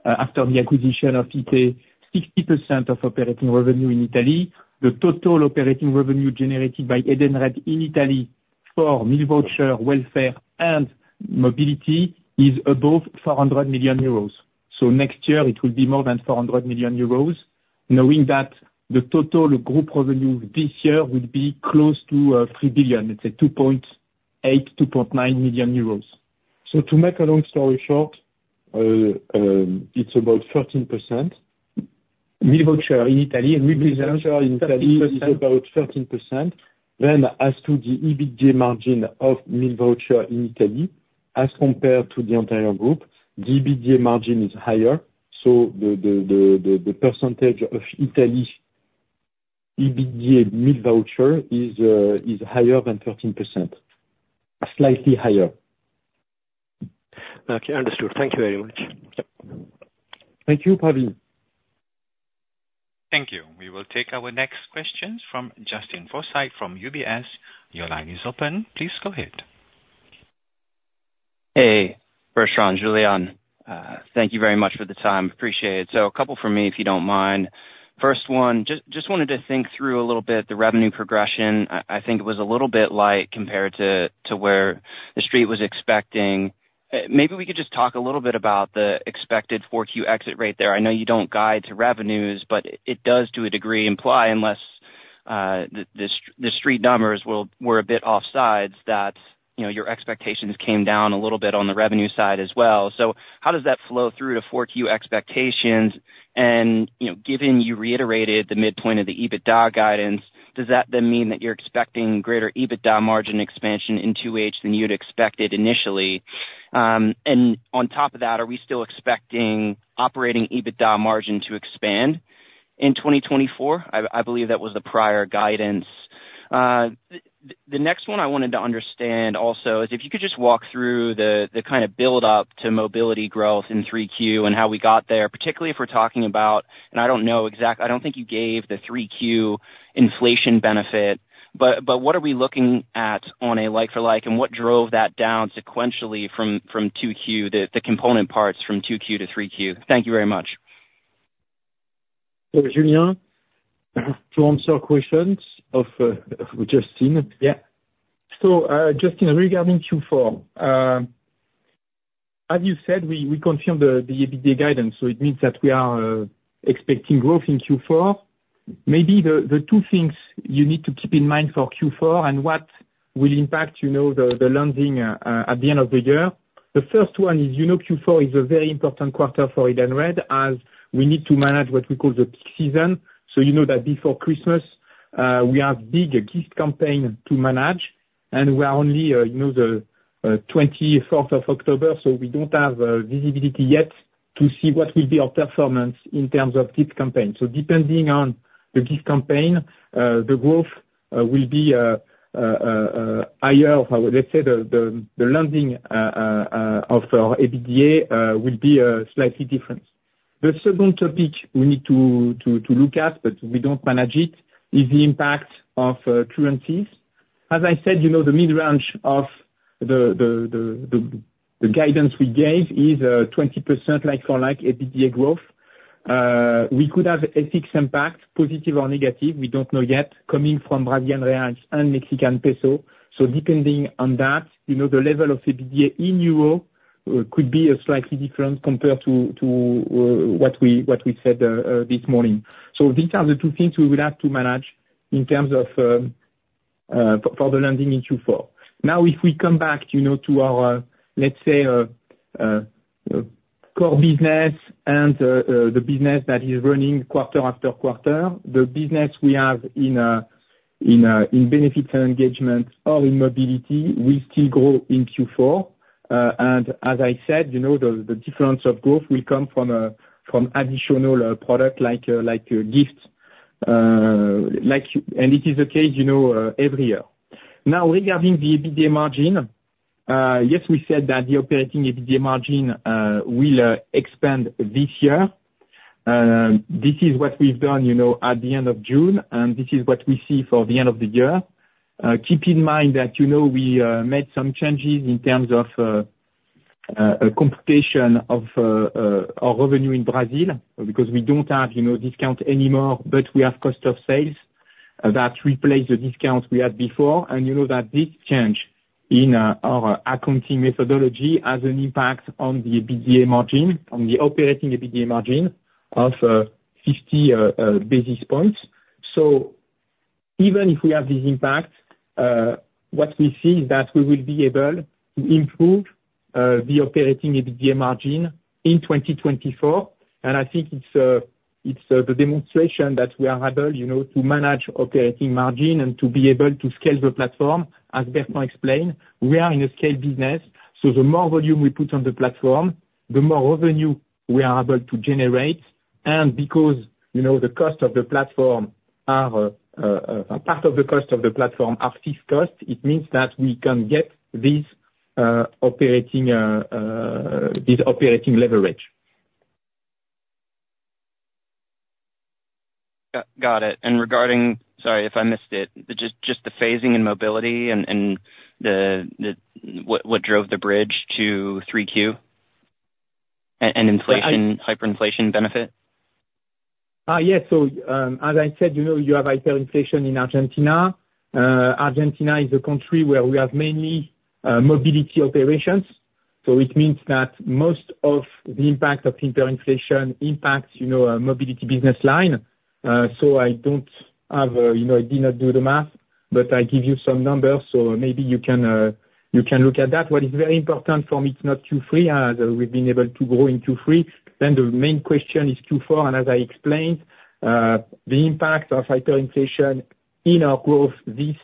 after the acquisition of IP, 60% of operating revenue in Italy. The total operating revenue generated by Edenred in Italy for meal voucher, welfare, and Mobility, is above 400 million euros. Next year it will be more than 400 million euros, knowing that the total group revenue this year will be close to 3 billion. Let's say 2.8 billion-2.9 billion euros. To make a long story short, it's about 13%. In Italy, and in Italy is about 13%. Then as to the EBITDA margin of meal voucher in Italy, as compared to the entire group, the EBITDA margin is higher, so the percentage of Italy's EBITDA meal voucher is higher than 13%, slightly higher. Okay, understood. Thank you very much. Thank you, Pravin. Thank you. We will take our next question from Justin Forsythe from UBS. Your line is open, please go ahead. Hey, Bertrand, Julien. Thank you very much for the time, appreciate it. So a couple from me, if you don't mind. First one, just wanted to think through a little bit the revenue progression. I think it was a little bit light compared to where the Street was expecting. Maybe we could just talk a little bit about the expected 4Q exit rate there. I know you don't guide to revenues, but it does, to a degree, imply, unless the Street numbers were a bit offsides, that, you know, your expectations came down a little bit on the revenue side as well. So how does that flow through to 4Q expectations? You know, given you reiterated the midpoint of the EBITDA guidance, does that then mean that you're expecting greater EBITDA margin expansion in 2H than you'd expected initially? And on top of that, are we still expecting operating EBITDA margin to expand in 2024? I believe that was the prior guidance. The next one I wanted to understand also is if you could just walk through the kind of build up to Mobility growth in 3Q, and how we got there, particularly if we're talking about... I don't think you gave the 3Q inflation benefit, but what are we looking at on a like-for-like, and what drove that down sequentially from 2Q, the component parts from 2Q to 3Q? Thank you very much. Julien, to answer questions of, Justin. Yeah. So, Justin, regarding Q4, as you said, we confirm the EBITDA guidance, so it means that we are expecting growth in Q4. Maybe the two things you need to keep in mind for Q4 and what will impact, you know, the landing at the end of the year. The first one is, you know, Q4 is a very important quarter for Edenred as we need to manage what we call the peak season. So you know that before Christmas, we have big gift campaign to manage, and we are only, you know, the of October 24th, so we don't have visibility yet to see what will be our performance in terms of gift campaign. So depending on the gift campaign, the growth will be higher. Let's say the landing of our EBITDA will be slightly different. The second topic we need to look at, but we don't manage it, is the impact of currencies. As I said, you know, the mid-range of the guidance we gave is 20% like-for-like EBITDA growth. We could have an FX impact, positive or negative, we don't know yet, coming from Brazilian real and Mexican peso. So depending on that, you know, the level of EBITDA in euros could be slightly different compared to what we said this morning. So these are the two things we will have to manage in terms of, for the landing in Q4. Now, if we come back, you know, to our, let's say, core business and, the business that is running quarter after quarter, the business we have in, in, in Benefits and Engagement or in Mobility, will still grow in Q4. And as I said, you know, the, the difference of growth will come from, from additional, product like, like, gifts. Like, and this is the case, you know, every year. Now, regarding the EBITDA margin, yes, we said that the operating EBITDA margin, will, expand this year. This is what we've done, you know, at the end of June, and this is what we see for the end of the year. Keep in mind that, you know, we made some changes in terms of a computation of our revenue in Brazil, because we don't have, you know, discount anymore, but we have cost of sales that replace the discounts we had before. And you know that this change in our accounting methodology has an impact on the EBITDA margin, on the operating EBITDA margin of 50 basis points. So even if we have this impact, what we see is that we will be able to improve the operating EBITDA margin in 2024. And I think it's the demonstration that we are able, you know, to manage operating margin and to be able to scale the platform. As Bertrand explained, we are in a scale business, so the more volume we put on the platform, the more revenue we are able to generate. And because, you know, the cost of the platform are fixed cost, it means that we can get this operating leverage. Got it. And regarding, sorry if I missed it, just the phasing and Mobility, and what drove the bridge to Q3, and inflation-hyperinflation benefit? Yes. So, as I said, you know, you have hyperinflation in Argentina. Argentina is a country where we have mainly Mobility operations, so it means that most of the impact of hyperinflation impacts, you know, our Mobility business line. So I don't have a, you know, I did not do the math, but I give you some numbers, so maybe you can look at that. What is very important for me, it's not Q3, as we've been able to grow in Q3, then the main question is Q4, and as I explained, the impact of hyperinflation in our growth, this,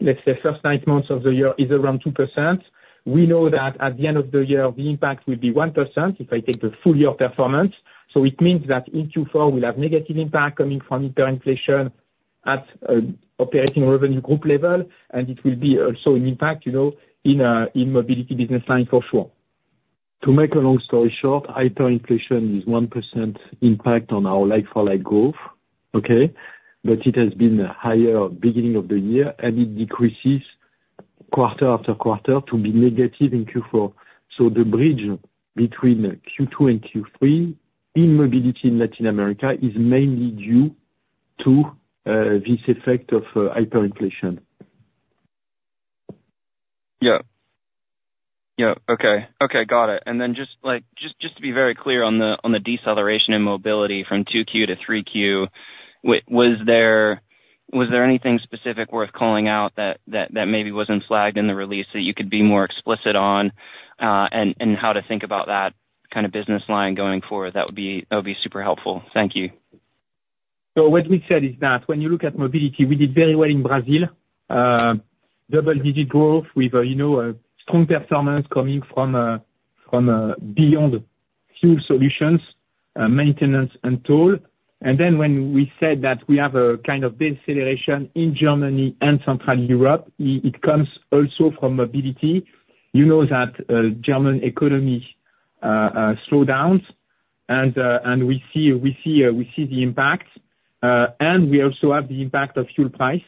let's say first nine months of the year, is around 2%. We know that at the end of the year, the impact will be 1%, if I take the full year performance. It means that in Q4, we'll have negative impact coming from hyperinflation at operating revenue group level, and it will be also an impact, you know, in Mobility business line for sure. To make a long story short, hyperinflation is 1% impact on our like-for-like growth, okay? But it has been higher beginning of the year, and it decreases quarter after quarter to be negative in Q4. The bridge between Q2 and Q3 in Mobility in Latin America is mainly due to this effect of hyperinflation. Yeah, okay, got it. And then just to be very clear on the deceleration in Mobility from 2Q to 3Q, was there anything specific worth calling out that maybe wasn't flagged in the release, that you could be more explicit on? And how to think about that kind of business line going forward? That would be super helpful. Thank you. What we said is that when you look at Mobility, we did very well in Brazil. Double-digit growth with, you know, a strong performance coming from Beyond Fuel solutions, maintenance and toll. And then when we said that we have a kind of deceleration in Germany and Central Europe, it comes also from Mobility. You know that German economy slowed down, and we see the impact, and we also have the impact of fuel price.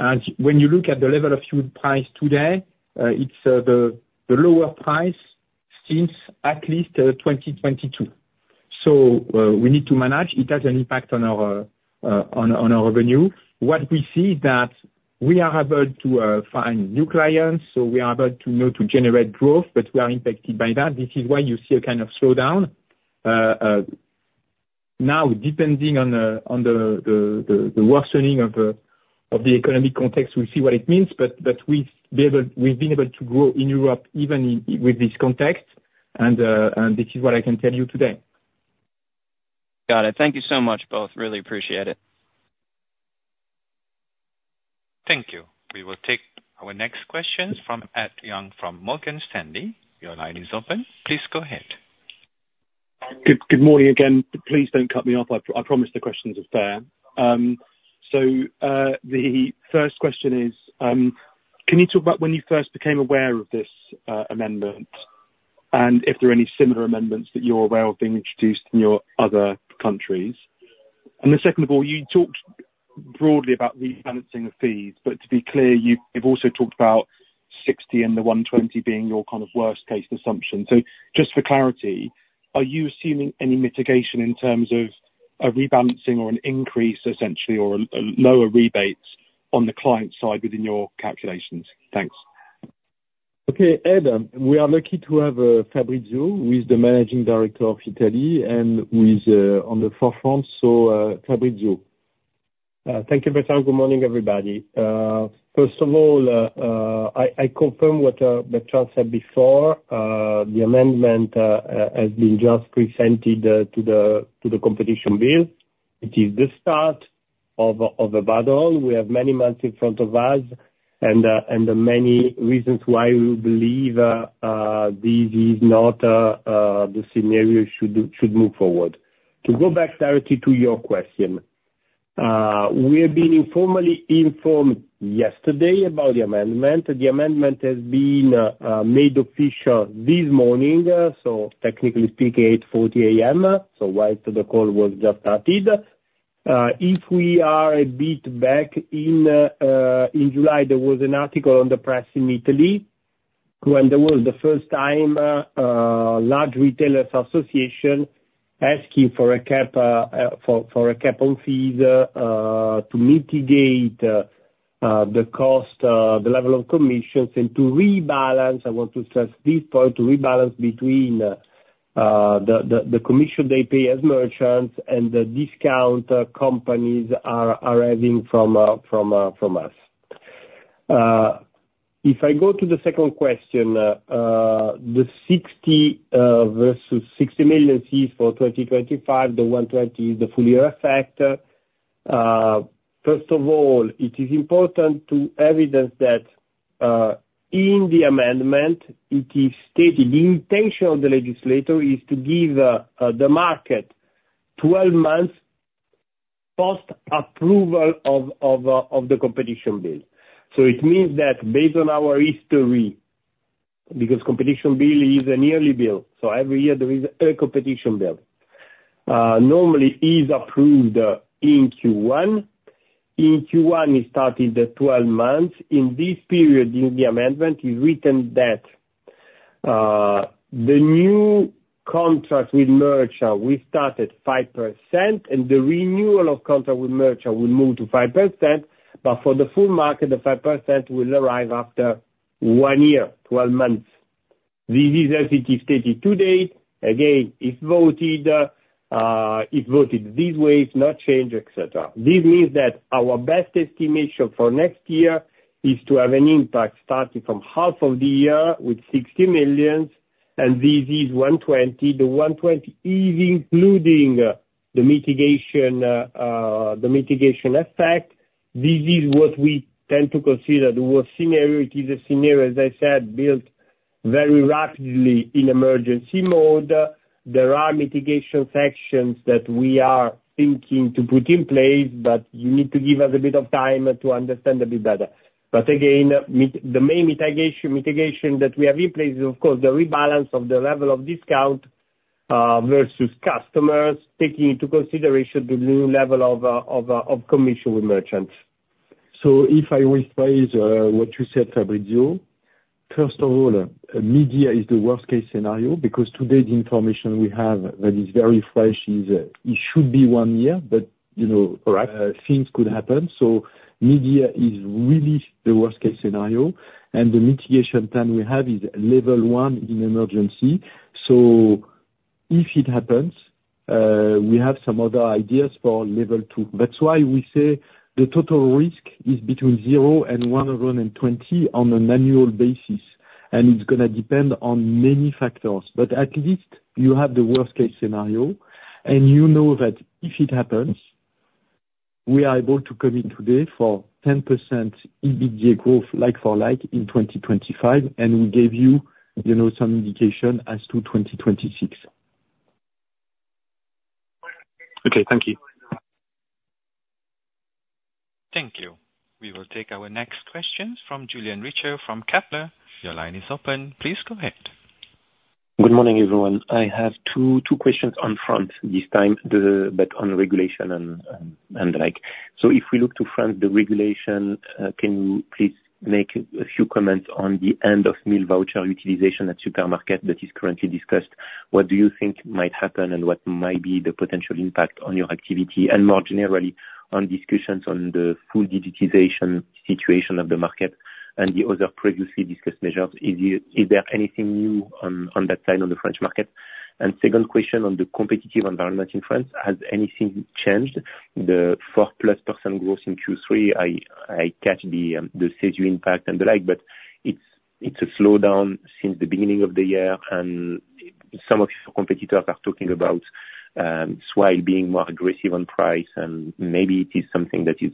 And when you look at the level of fuel price today, it's the lower price since at least 2022. We need to manage. It has an impact on our revenue. What we see is that we are able to find new clients, so we are able to, you know, to generate growth, but we are impacted by that. This is why you see a kind of slowdown. Now, depending on the worsening of the economic context, we'll see what it means, but we've been able to grow in Europe even in, with this context, and this is what I can tell you today. Got it. Thank you so much, both. Really appreciate it. Thank you. We will take our next questions from Ed Young from Morgan Stanley. Your line is open, please go ahead. Good morning again. Please don't cut me off. I promise the questions are fair. So, the first question is, can you talk about when you first became aware of this amendment, and if there are any similar amendments that you're aware of being introduced in your other countries? And then second of all, you talked broadly about rebalancing the fees, but to be clear, you've also talked about 60 million and the 120 million being your kind of worst case assumption. So just for clarity, are you assuming any mitigation in terms of a rebalancing or an increase, essentially, or a lower rebates on the client side within your calculations? Thanks. Okay, Ed, we are lucky to have Fabrizio, who is the Managing Director of Italy, and who is on the forefront. So, Fabrizio. Thank you, Bertrand. Good morning, everybody. First of all, I confirm what Bertrand said before, the amendment has been just presented to the Competition Bill. It is the start of a battle. We have many months in front of us, and many reasons why we believe this is not the scenario should move forward. To go back directly to your question, we have been informally informed yesterday about the amendment. The amendment has been made official this morning, so technically speaking, 8:40 A.M., so right the call was just started. If we are a bit back, in July, there was an article in the press in Italy, when there was the first time a large retailers association asking for a cap on fees to mitigate the cost, the level of commissions, and to rebalance, I want to stress this point, to rebalance between the commission they pay as merchants, and the discounts companies are receiving from us. If I go to the second question, the 60 million fees for 2025, the 120 million is the full year effect. First of all, it is important to evidence that, in the amendment, it is stated the intention of the legislator is to give, the market 12 months post-approval of the Competition Bill. So it means that based on our history, because Competition Bill is a yearly bill, so every year there is a Competition Bill, normally is approved, in Q1. In Q1, it started the 12 months. In this period, in the amendment, is written that, the new contract with merchant will start at 5%, and the renewal of contract with merchant will move to 5%, but for the full market, the 5% will arrive after one year, 12 months. This is as it is stated to date. Again, it's voted, it's voted these ways, not change, etc. This means that our best estimation for next year is to have an impact starting from half of the year with 60 million, and this is 120 million. The 120 million is including the mitigation effect. This is what we tend to consider the worst scenario. It is a scenario, as I said, built very rapidly in emergency mode. There are mitigation sections that we are thinking to put in place, but you need to give us a bit of time to understand a bit better. But again, the main mitigation that we have in place is, of course, the rebalance of the level of discount versus customers, taking into consideration the new level of commission with merchants. So if I rephrase what you said, Fabrizio, first of all, midyear is the worst case scenario, because today's information we have that is very fresh is it should be one year, but you know- Correct. Things could happen. So midyear is really the worst case scenario, and the mitigation plan we have is level one in emergency. So if it happens, we have some other ideas for level two. That's why we say the total risk is between 0 and 120 million on an annual basis, and it's gonna depend on many factors. But at least you have the worst case scenario, and you know that if it happens, we are able to commit today for 10% EBITDA growth, like-for-like, in 2025, and we gave you, you know, some indication as to 2026. Okay, thank you. Thank you. We will take our next question from Julien Richer from Kepler. Your line is open. Please go ahead. Good morning, everyone. I have two questions on France this time, but on regulation and the like. So if we look to France, the regulation, can you please make a few comments on the end of meal voucher utilization at supermarket that is currently discussed? What do you think might happen, and what might be the potential impact on your activity, and more generally, on discussions on the full digitization situation of the market and the other previously discussed measures, is there anything new on that side, on the French market? And second question on the competitive environment in France, has anything changed? The 4%+ growth in Q3, I catch the CESU impact and the like, but it's a slowdown since the beginning of the year, and some of your competitors are talking about Swile being more aggressive on price, and maybe it is something that is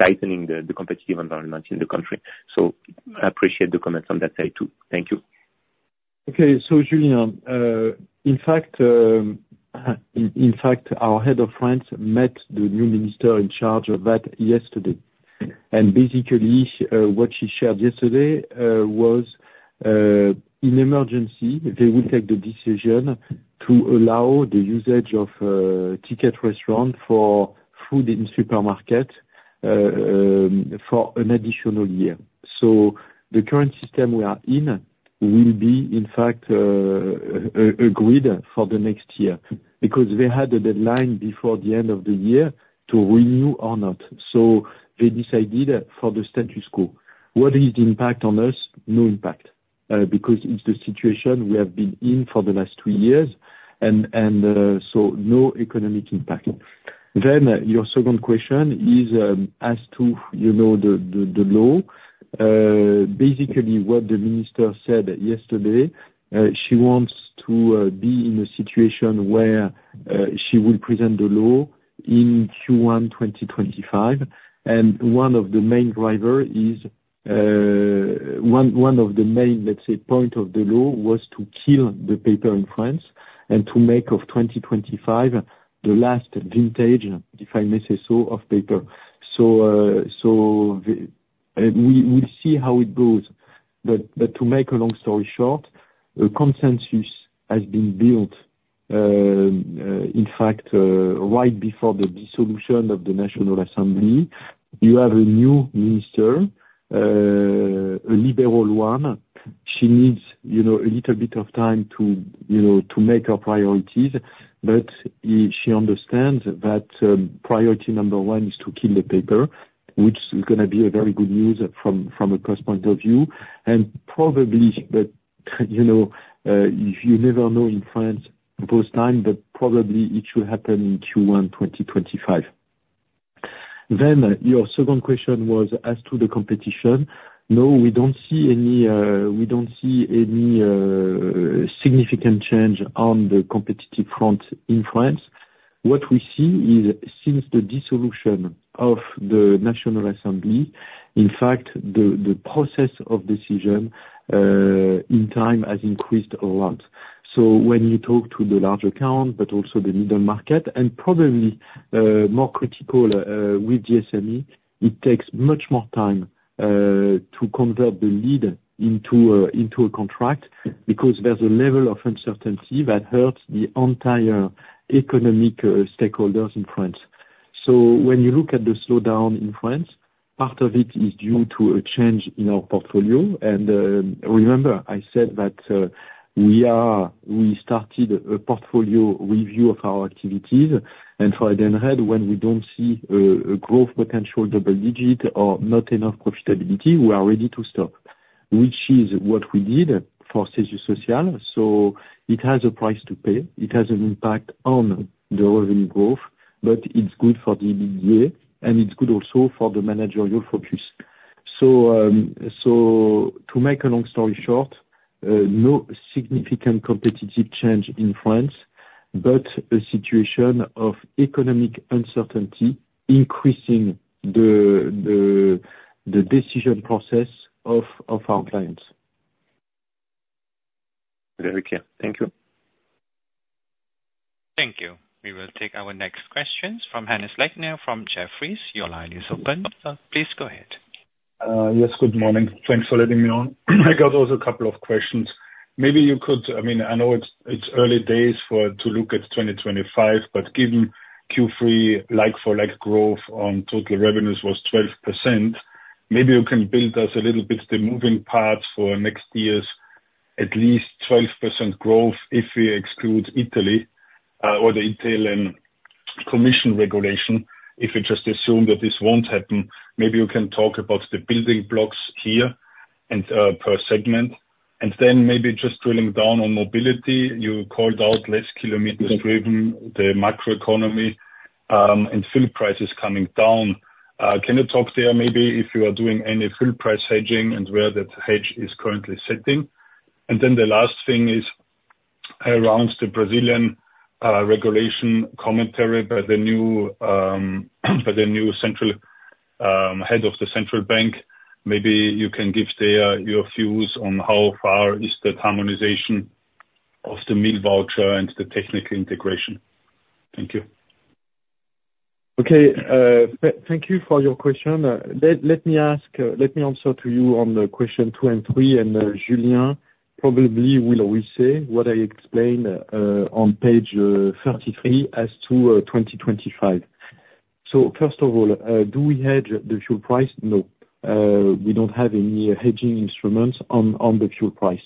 tightening the competitive environment in the country. So I appreciate the comments on that side, too. Thank you. Okay. So Julien, in fact, our head of France met the new minister in charge of that yesterday. And basically, what she shared yesterday was, in emergency, they will take the decision to allow the usage of Ticket Restaurant for food in supermarket for an additional year. So the current system we are in will be, in fact, agreed for the next year, because they had a deadline before the end of the year to renew or not. So they decided for the status quo. What is the impact on us? No impact, because it's the situation we have been in for the last two years, and so no economic impact. Then, your second question is, as to, you know, the law. Basically, what the minister said yesterday, she wants to be in a situation where she will present the law in Q1 2025, and one of the main driver is one of the main, let's say, point of the law was to kill the paper in France, and to make of 2025 the last vintage, if I may say so, of paper. So we'll see how it goes. But to make a long story short, a consensus has been built, in fact, right before the dissolution of the National Assembly. You have a new minister, a liberal one. She needs, you know, a little bit of time to, you know, to make her priorities, but she understands that priority number one is to kill the paper, which is gonna be a very good news from a cost point of view, and probably, but, you know, you never know in France those time, but probably it should happen in Q1 2025. Then, your second question was as to the competition. No, we don't see any. We don't see any significant change on the competitive front in France. What we see is, since the dissolution of the National Assembly, in fact, the process of decision in time has increased a lot. So when you talk to the large account, but also the middle market, and probably more critical with the SME, it takes much more time to convert the lead into a contract, because there's a level of uncertainty that hurts the entire economic stakeholders in France. So when you look at the slowdown in France, part of it is due to a change in our portfolio, and remember I said that we started a portfolio review of our activities, and for then ahead, when we don't see a growth potential double digit or not enough profitability, we are ready to stop, which is what we did for CESU. So it has a price to pay. It has an impact on the revenue growth, but it's good for the EBITDA, and it's good also for the managerial focus. So, to make a long story short, no significant competitive change in France, but a situation of economic uncertainty increasing the decision process of our clients. Very clear. Thank you. Thank you. We will take our next questions from Hannes Leitner from Jefferies. Your line is open. Please go ahead. Yes, good morning. Thanks for letting me on. I got also a couple of questions. Maybe you could. I mean, I know it's early days to look at 2025, but given Q3 like-for-like growth on total revenues was 12%, maybe you can build us a little bit the moving parts for next year's at least 12% growth if we exclude Italy or the Italian commission regulation. If you just assume that this won't happen, maybe you can talk about the building blocks here and per segment. Then maybe just drilling down on Mobility, you called out less kilometers driven, the macroeconomy, and fuel prices coming down. Can you talk there, maybe, if you are doing any fuel price hedging, and where that hedge is currently sitting. And then the last thing is around the Brazilian regulation commentary by the new central head of the Central Bank. Maybe you can give there your views on how far is the harmonization of the meal voucher and the technical integration. Thank you. Okay, thank you for your question. Let me answer to you on the question two and three, and Julien probably will relay what I explained on page 33 as to 2025. So first of all, do we hedge the fuel price? No. We don't have any hedging instruments on the fuel price.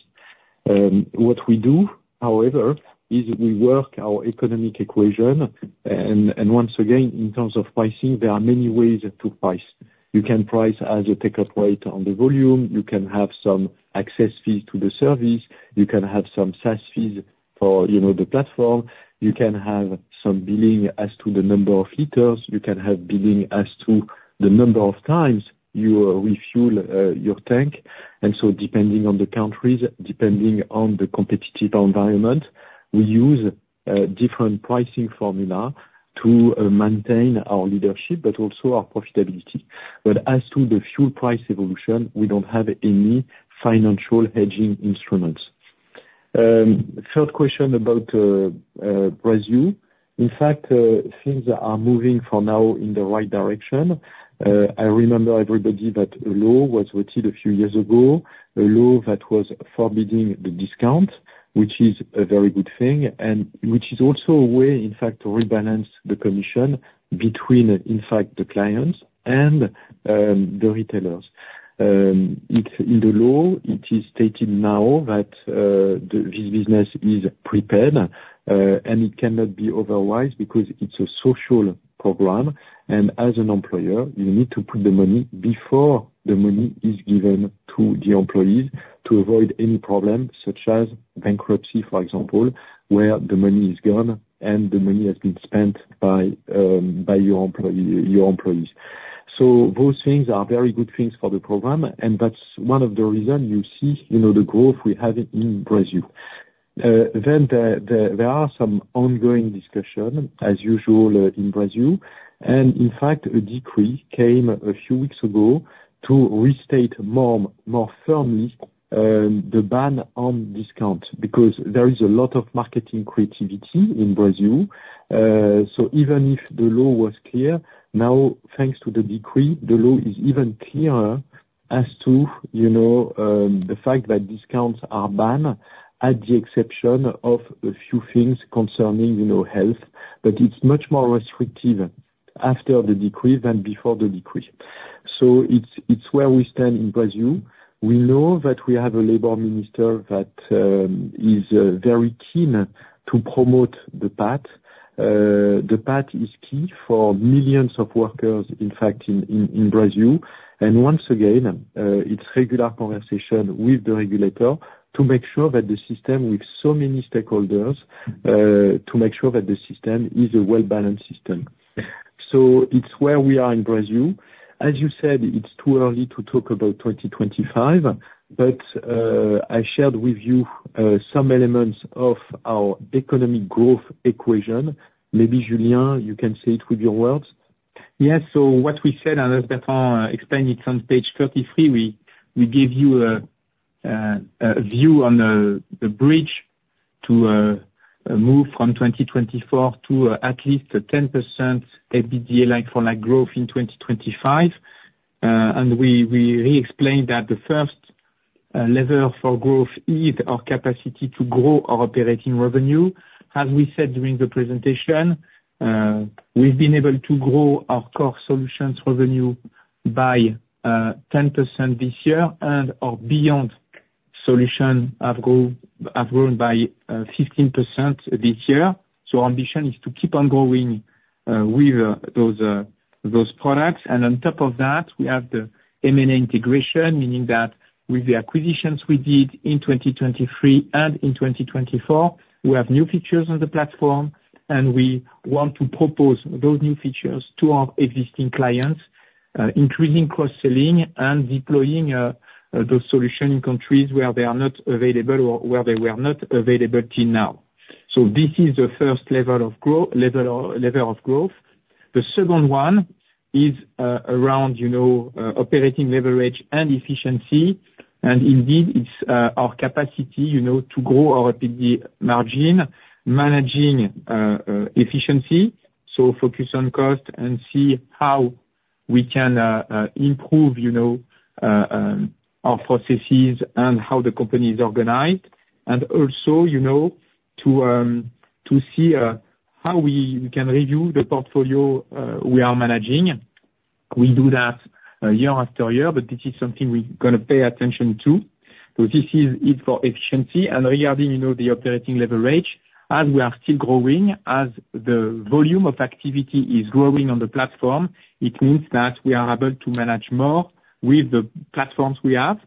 What we do, however, is we work our economic equation, and once again, in terms of pricing, there are many ways to price. You can price as a take-up rate on the volume, you can have some access fee to the service, you can have some SaaS fees for, you know, the platform, you can have some billing as to the number of liters, you can have billing as to the number of times you refuel your tank. And so depending on the countries, depending on the competitive environment, we use different pricing formula to maintain our leadership, but also our profitability. But as to the fuel price evolution, we don't have any financial hedging instruments. Third question about Brazil. In fact, things are moving for now in the right direction. I remember everybody that a law was written a few years ago, a law that was forbidding the discount, which is a very good thing, and which is also a way, in fact, to rebalance the commission between, in fact, the clients and the retailers. In the law, it is stated now that this business is prepaid, and it cannot be otherwise, because it's a social program, and as an employer, you need to put the money before the money is given to the employees to avoid any problems such as bankruptcy, for example, where the money is gone, and the money has been spent by your employee, your employees. So those things are very good things for the program, and that's one of the reasons you see, you know, the growth we're having in Brazil. Then there are some ongoing discussion, as usual, in Brazil. And in fact, a decree came a few weeks ago to restate more firmly the ban on discount, because there is a lot of marketing creativity in Brazil. So even if the law was clear, now, thanks to the decree, the law is even clearer as to, you know, the fact that discounts are banned at the exception of a few things concerning, you know, health. But it's much more restrictive after the decree than before the decree. So it's where we stand in Brazil. We know that we have a labor minister that is very keen to promote the PAT. The PAT is key for millions of workers, in fact, in Brazil. And once again, it's regular conversation with the regulator to make sure that the system with so many stakeholders, to make sure that the system is a well-balanced system. So it's where we are in Brazil. As you said, it's too early to talk about 2025, but I shared with you some elements of our economic growth equation. Maybe Julien, you can say it with your words? Yes. So what we said, and as Bertrand explained, it's on page 33. We give you a view on the bridge to a move from 2024 to at least a 10% EBITDA like-for-like growth in 2025. And we re-explained that the first level for growth is our capacity to grow our operating revenue. As we said during the presentation, we've been able to grow our core solutions revenue by 10% this year and our Beyond Food solution has grown by 15% this year. Our ambition is to keep on growing with those products. And on top of that, we have the M&A integration, meaning that with the acquisitions we did in 2023 and in 2024, we have new features on the platform, and we want to propose those new features to our existing clients, increasing cross-selling and deploying those solution in countries where they are not available or where they were not available till now. So this is the first level of growth. The second one is around, you know, operating leverage and efficiency. And indeed, it's our capacity, you know, to grow our EBITDA margin, managing efficiency. So focus on cost and see how we can improve, you know, our processes and how the company is organized. And also, you know, to see how we can review the portfolio we are managing. We do that year after year, but this is something we're gonna pay attention to. So this is it for efficiency. And regarding, you know, the operating leverage, as we are still growing, as the volume of activity is growing on the platform, it means that we are able to manage more with the platforms we have.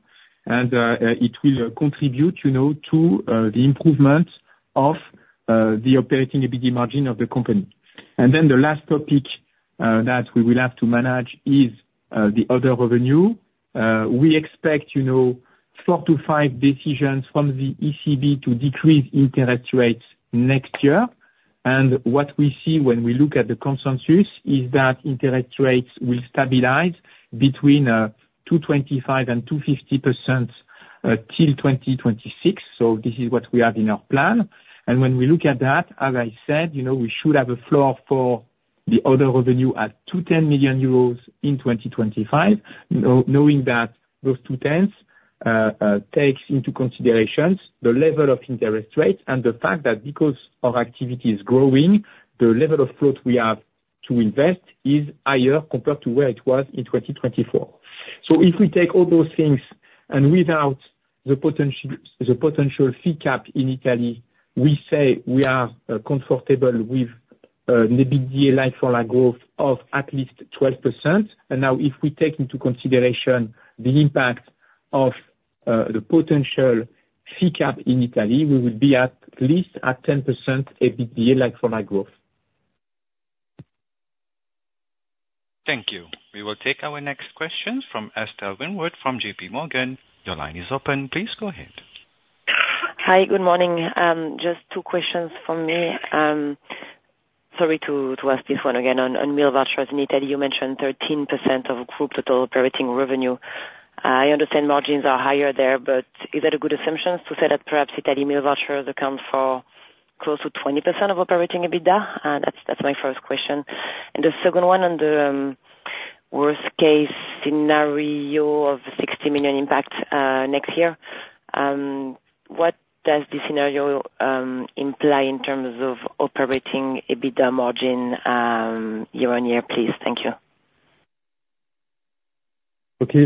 And it will contribute, you know, to the improvement of the operating EBITDA margin of the company. And then the last topic that we will have to manage is the other revenue. We expect, you know, 4-5 decisions from the ECB to decrease interest rates next year. What we see when we look at the consensus is that interest rates will stabilize between 2.25% and 2.50% till 2026. This is what we have in our plan. When we look at that, as I said, you know, we should have a floor for the other revenue at 210 million euros in 2025, knowing that those 210 million takes into considerations the level of interest rates and the fact that because our activity is growing, the level of growth we have to invest is higher compared to where it was in 2024. If we take all those things, and without the potential fee cap in Italy, we say we are comfortable with an EBITDA like-for-like growth of at least 12%. And now, if we take into consideration the impact of the potential fee cap in Italy, we will be at least at 10% EBITDA like-for-like growth. Thank you. We will take our next question from Estelle Weingrod, from JPMorgan. Your line is open, please go ahead. Hi, good morning. Just two questions from me. Sorry to ask this one again on meal vouchers in Italy, you mentioned 13% of group total operating revenue. I understand margins are higher there, but is that a good assumption to say that perhaps Italy meal vouchers account for close to 20% of operating EBITDA? That's my first question. And the second one, on the worst case scenario of 60 million impact next year, what does this scenario imply in terms of operating EBITDA margin year-on-year, please? Thank you. Okay.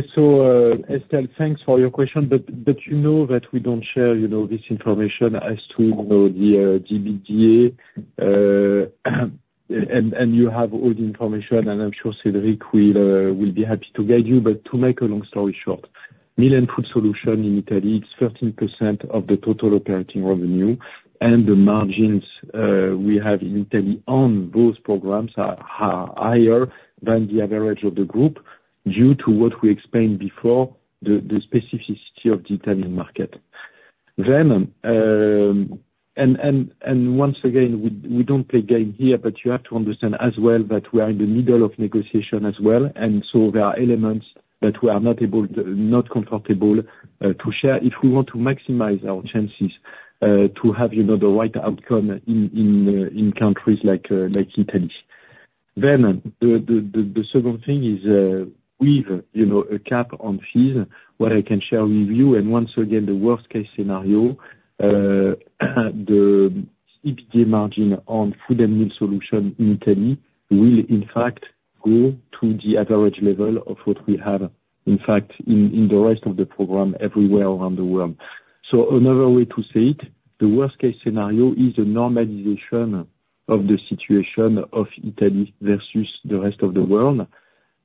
Estelle, thanks for your question, but you know that we don't share, you know, this information as to, you know, the EBITDA, and you have all the information, and I'm sure Cédric will be happy to guide you. But to make a long story short, meal and food solution in Italy, it's 13% of the total operating revenue. And the margins we have in Italy on those programs are higher than the average of the group due to what we explained before, the specificity of the Italian market. And once again, we don't play games here, but you have to understand as well that we are in the middle of negotiations as well, and so there are elements that we are not able to, not comfortable to share if we want to maximize our chances to have, you know, the right outcome in countries like Italy. The second thing is, with, you know, a cap on fees, what I can share with you, and once again, the worst case scenario, the EBITDA margin on food and meal solution in Italy will in fact grow to the average level of what we have, in fact, in the rest of the program everywhere around the world. So another way to say it, the worst case scenario is a normalization of the situation of Italy versus the rest of the world,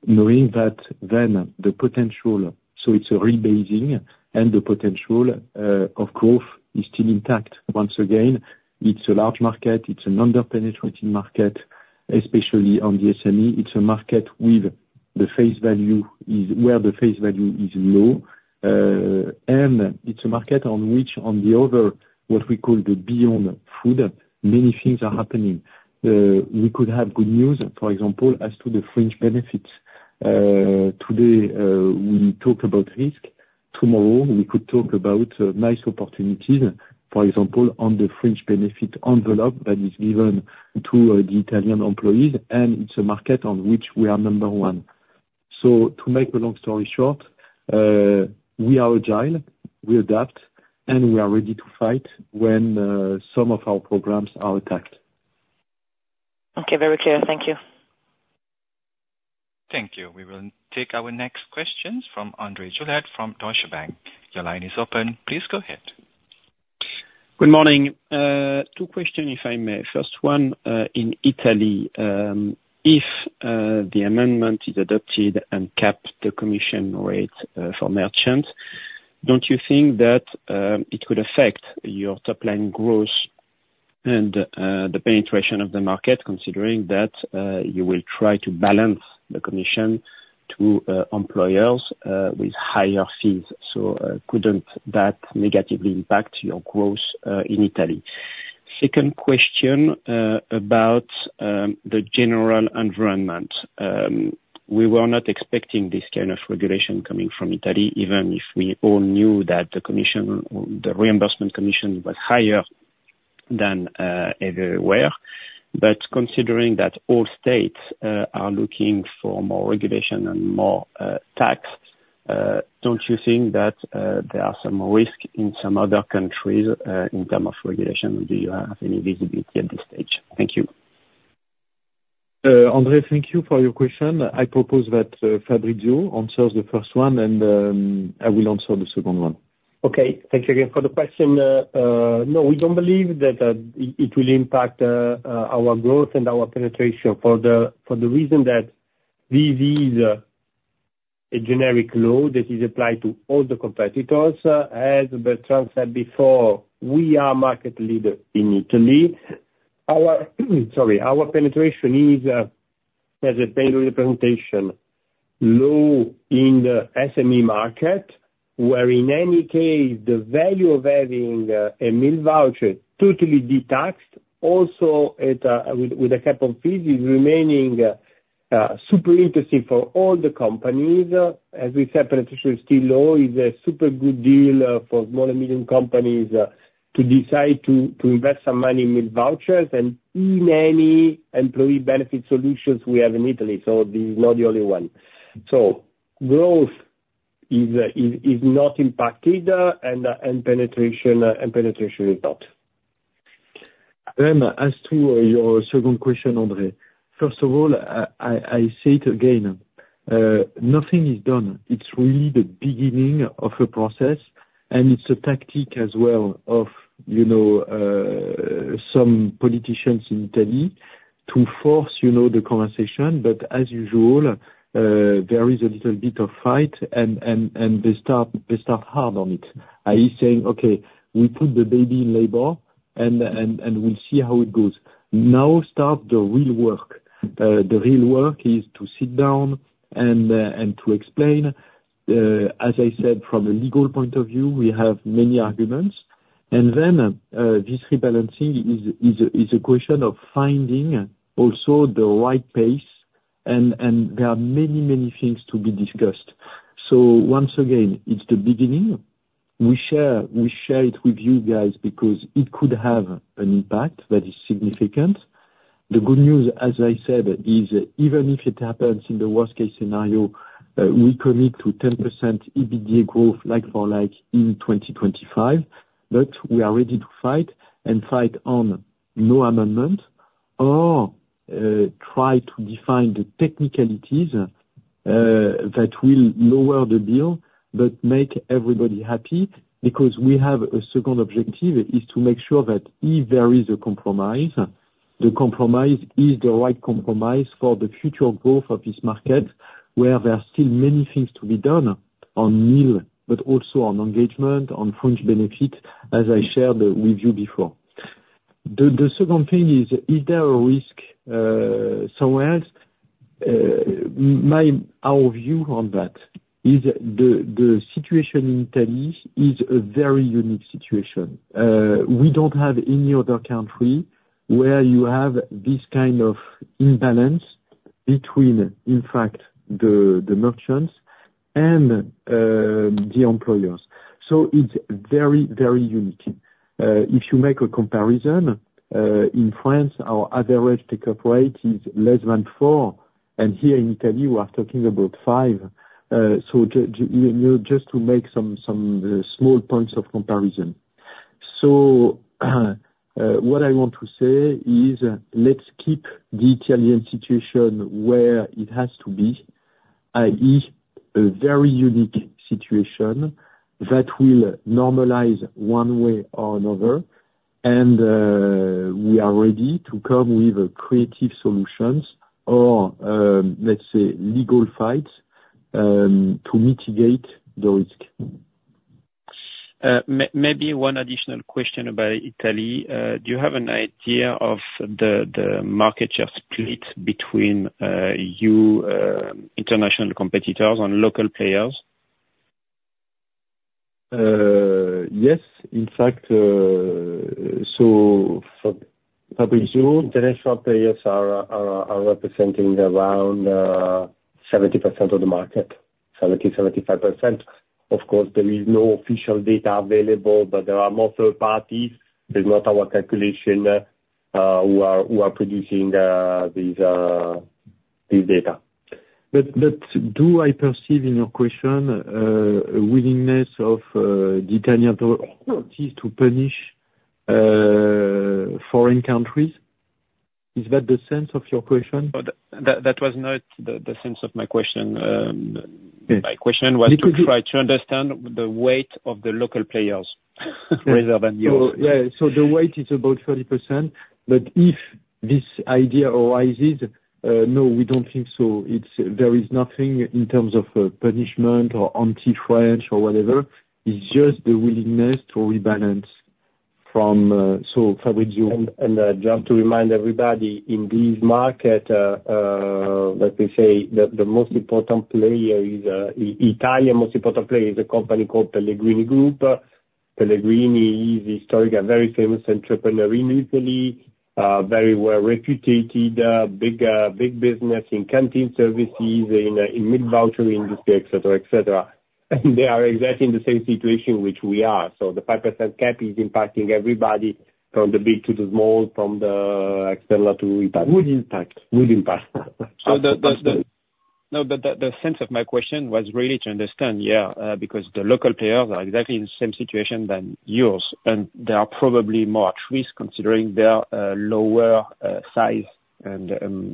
knowing that then the potential, so it's a rebasing, and the potential of growth is still intact. Once again, it's a large market, it's an under-penetrating market, especially on the SME. It's a market where the face value is low. And it's a market on which, on the other, what we call the Beyond Food, many things are happening. We could have good news, for example, as to the fringe benefits. Today, we talk about risk, tomorrow, we could talk about nice opportunities, for example, on the fringe benefit envelope that is given to the Italian employees, and it's a market on which we are number one. So to make the long story short, we are agile, we adapt, and we are ready to fight when some of our programs are attacked. Okay. Very clear. Thank you. Thank you. We will take our next questions from André Juillard from Deutsche Bank. Your line is open, please go ahead. Good morning. Two questions, if I may. First one, in Italy, if the amendment is adopted and capped the commission rate for merchants, don't you think that it could affect your top line growth and the penetration of the market, considering that you will try to balance the commission to employers with higher fees? So, couldn't that negatively impact your growth in Italy? Second question, about the general environment. We were not expecting this kind of regulation coming from Italy, even if we all knew that the commission, the reimbursement commission was higher than everywhere. But considering that all states are looking for more regulation and more tax, don't you think that there are some risk in some other countries in terms of regulation, do you have any visibility at this stage? Thank you. André, thank you for your question. I propose that Fabrizio answers the first one, and I will answer the second one. Okay, thanks again for the question. No, we don't believe that it will impact our growth and our penetration for the reason that this is a generic law that is applied to all the competitors. As Bertrand said before, we are market leader in Italy. Our penetration is, as an overall representation, low in the SME market, where in any case, the value of having a meal voucher totally detached, also with a cap on fees is remaining super interesting for all the companies. As we said, penetration is still low, is a super good deal for small and medium companies to decide to invest some money in meal vouchers, and in any employee benefit solutions we have in Italy, so this is not the only one. Growth is not impacted, and penetration is not. As to your second question, André. First of all, I say it again, nothing is done. It's really the beginning of a process, and it's a tactic as well, of, you know, some politicians in Italy, to force, you know, the conversation. But as usual, there is a little bit of fight and they start, they start hard on it, I saying, "Okay, we put the baby in labor, and we'll see how it goes." Now start the real work. The real work is to sit down and to explain. As I said, from a legal point of view, we have many arguments. And then, this rebalancing is a question of finding also the right pace, and there are many, many things to be discussed. So once again, it's the beginning. We share it with you guys because it could have an impact that is significant. The good news, as I said, is even if it happens in the worst case scenario, we commit to 10% EBITDA growth, like-for-like, in 2025. But we are ready to fight, and fight on no amendment, or try to define the technicalities that will lower the bill, but make everybody happy. Because we have a second objective, is to make sure that if there is a compromise, the compromise is the right compromise for the future growth of this market, where there are still many things to be done on meal, but also on engagement, on fringe benefit, as I shared with you before. The second thing is, is there a risk somewhere else? Our view on that is the situation in Italy is a very unique situation. We don't have any other country where you have this kind of imbalance between, in fact, the merchants and the employers. So it's very, very unique. If you make a comparison, in France, our average take-up rate is less than four, and here in Italy, we are talking about five. You know, just to make some small points of comparison. What I want to say is, let's keep the Italian situation where it has to be, i.e., a very unique situation that will normalize one way or another, and we are ready to come with creative solutions or, let's say, legal fights to mitigate the risk. Maybe one additional question about Italy. Do you have an idea of the market share split between you, international competitors and local players? Yes, in fact, so for, Fabrizio? International players are representing around 70%-75% of the market. Of course, there is no official data available, but there are more third parties, that's not our calculation, who are producing this data. But do I perceive in your question a willingness of the Italian authorities to punish... foreign countries? Is that the sense of your question? But that was not the sense of my question. Yes. My question was- It could be- To try to understand the weight of the local players rather than yours. So, right. So the weight is about 30%, but if this idea arises, no, we don't think so. It's, there is nothing in terms of punishment, or anti-French, or whatever. It's just the willingness to rebalance from... So, Fabrizio? Just to remind everybody, in this market, let me say, the most important player is the Italian most important player, a company called Pellegrini Group. Pellegrini is historic and very famous entrepreneur in Italy, very well-reputed, big business in canteen services, in the meal voucher industry, etc. They are exactly in the same situation which we are. So the 5% cap is impacting everybody from the big to the small, from the external to internal. Would impact. Would impact. No, the sense of my question was really to understand, yeah, because the local players are exactly in the same situation than yours, and they are probably more at risk, considering their lower size and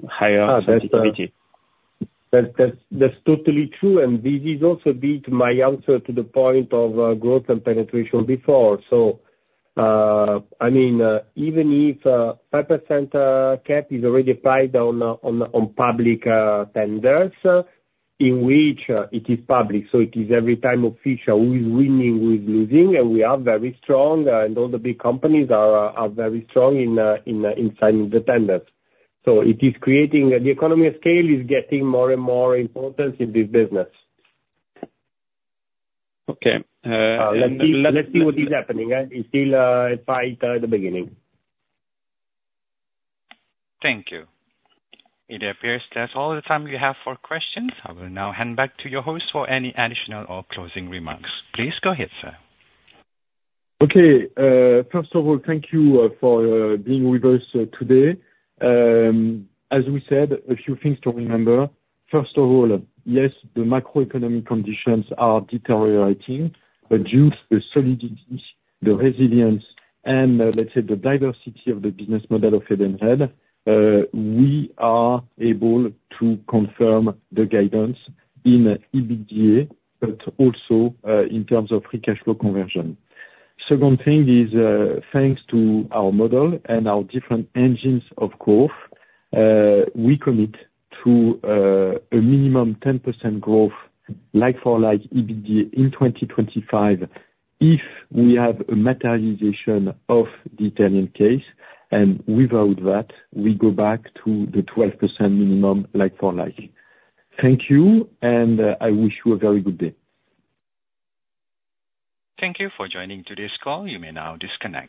higher activity. That's totally true, and this is also my answer to the point of growth and penetration before. So, I mean, even if 5% cap is already applied on public tenders, in which it is public, so it is every time official, who is winning, who is losing, and we are very strong, and all the big companies are very strong in signing the tenders. So it is creating economies of scale, which is getting more and more important in this business. Okay. Let's see what is happening, it's still quite the beginning. Thank you. It appears that's all the time we have for questions. I will now hand back to your host for any additional or closing remarks. Please go ahead, sir. Okay. First of all, thank you for being with us today. As we said, a few things to remember. First of all, yes, the macroeconomic conditions are deteriorating, but due to the solidity, the resilience, and, let's say the diversity of the business model of Edenred, we are able to confirm the guidance in EBITDA, but also in terms of free cash flow conversion. Second thing is, thanks to our model and our different engines of growth, we commit to a minimum 10% growth like-for-like EBITDA in 2025, if we have a materialization of the Italian case, and without that, we go back to the 12% minimum like-for-like. Thank you, and I wish you a very good day. Thank you for joining today's call. You may now disconnect.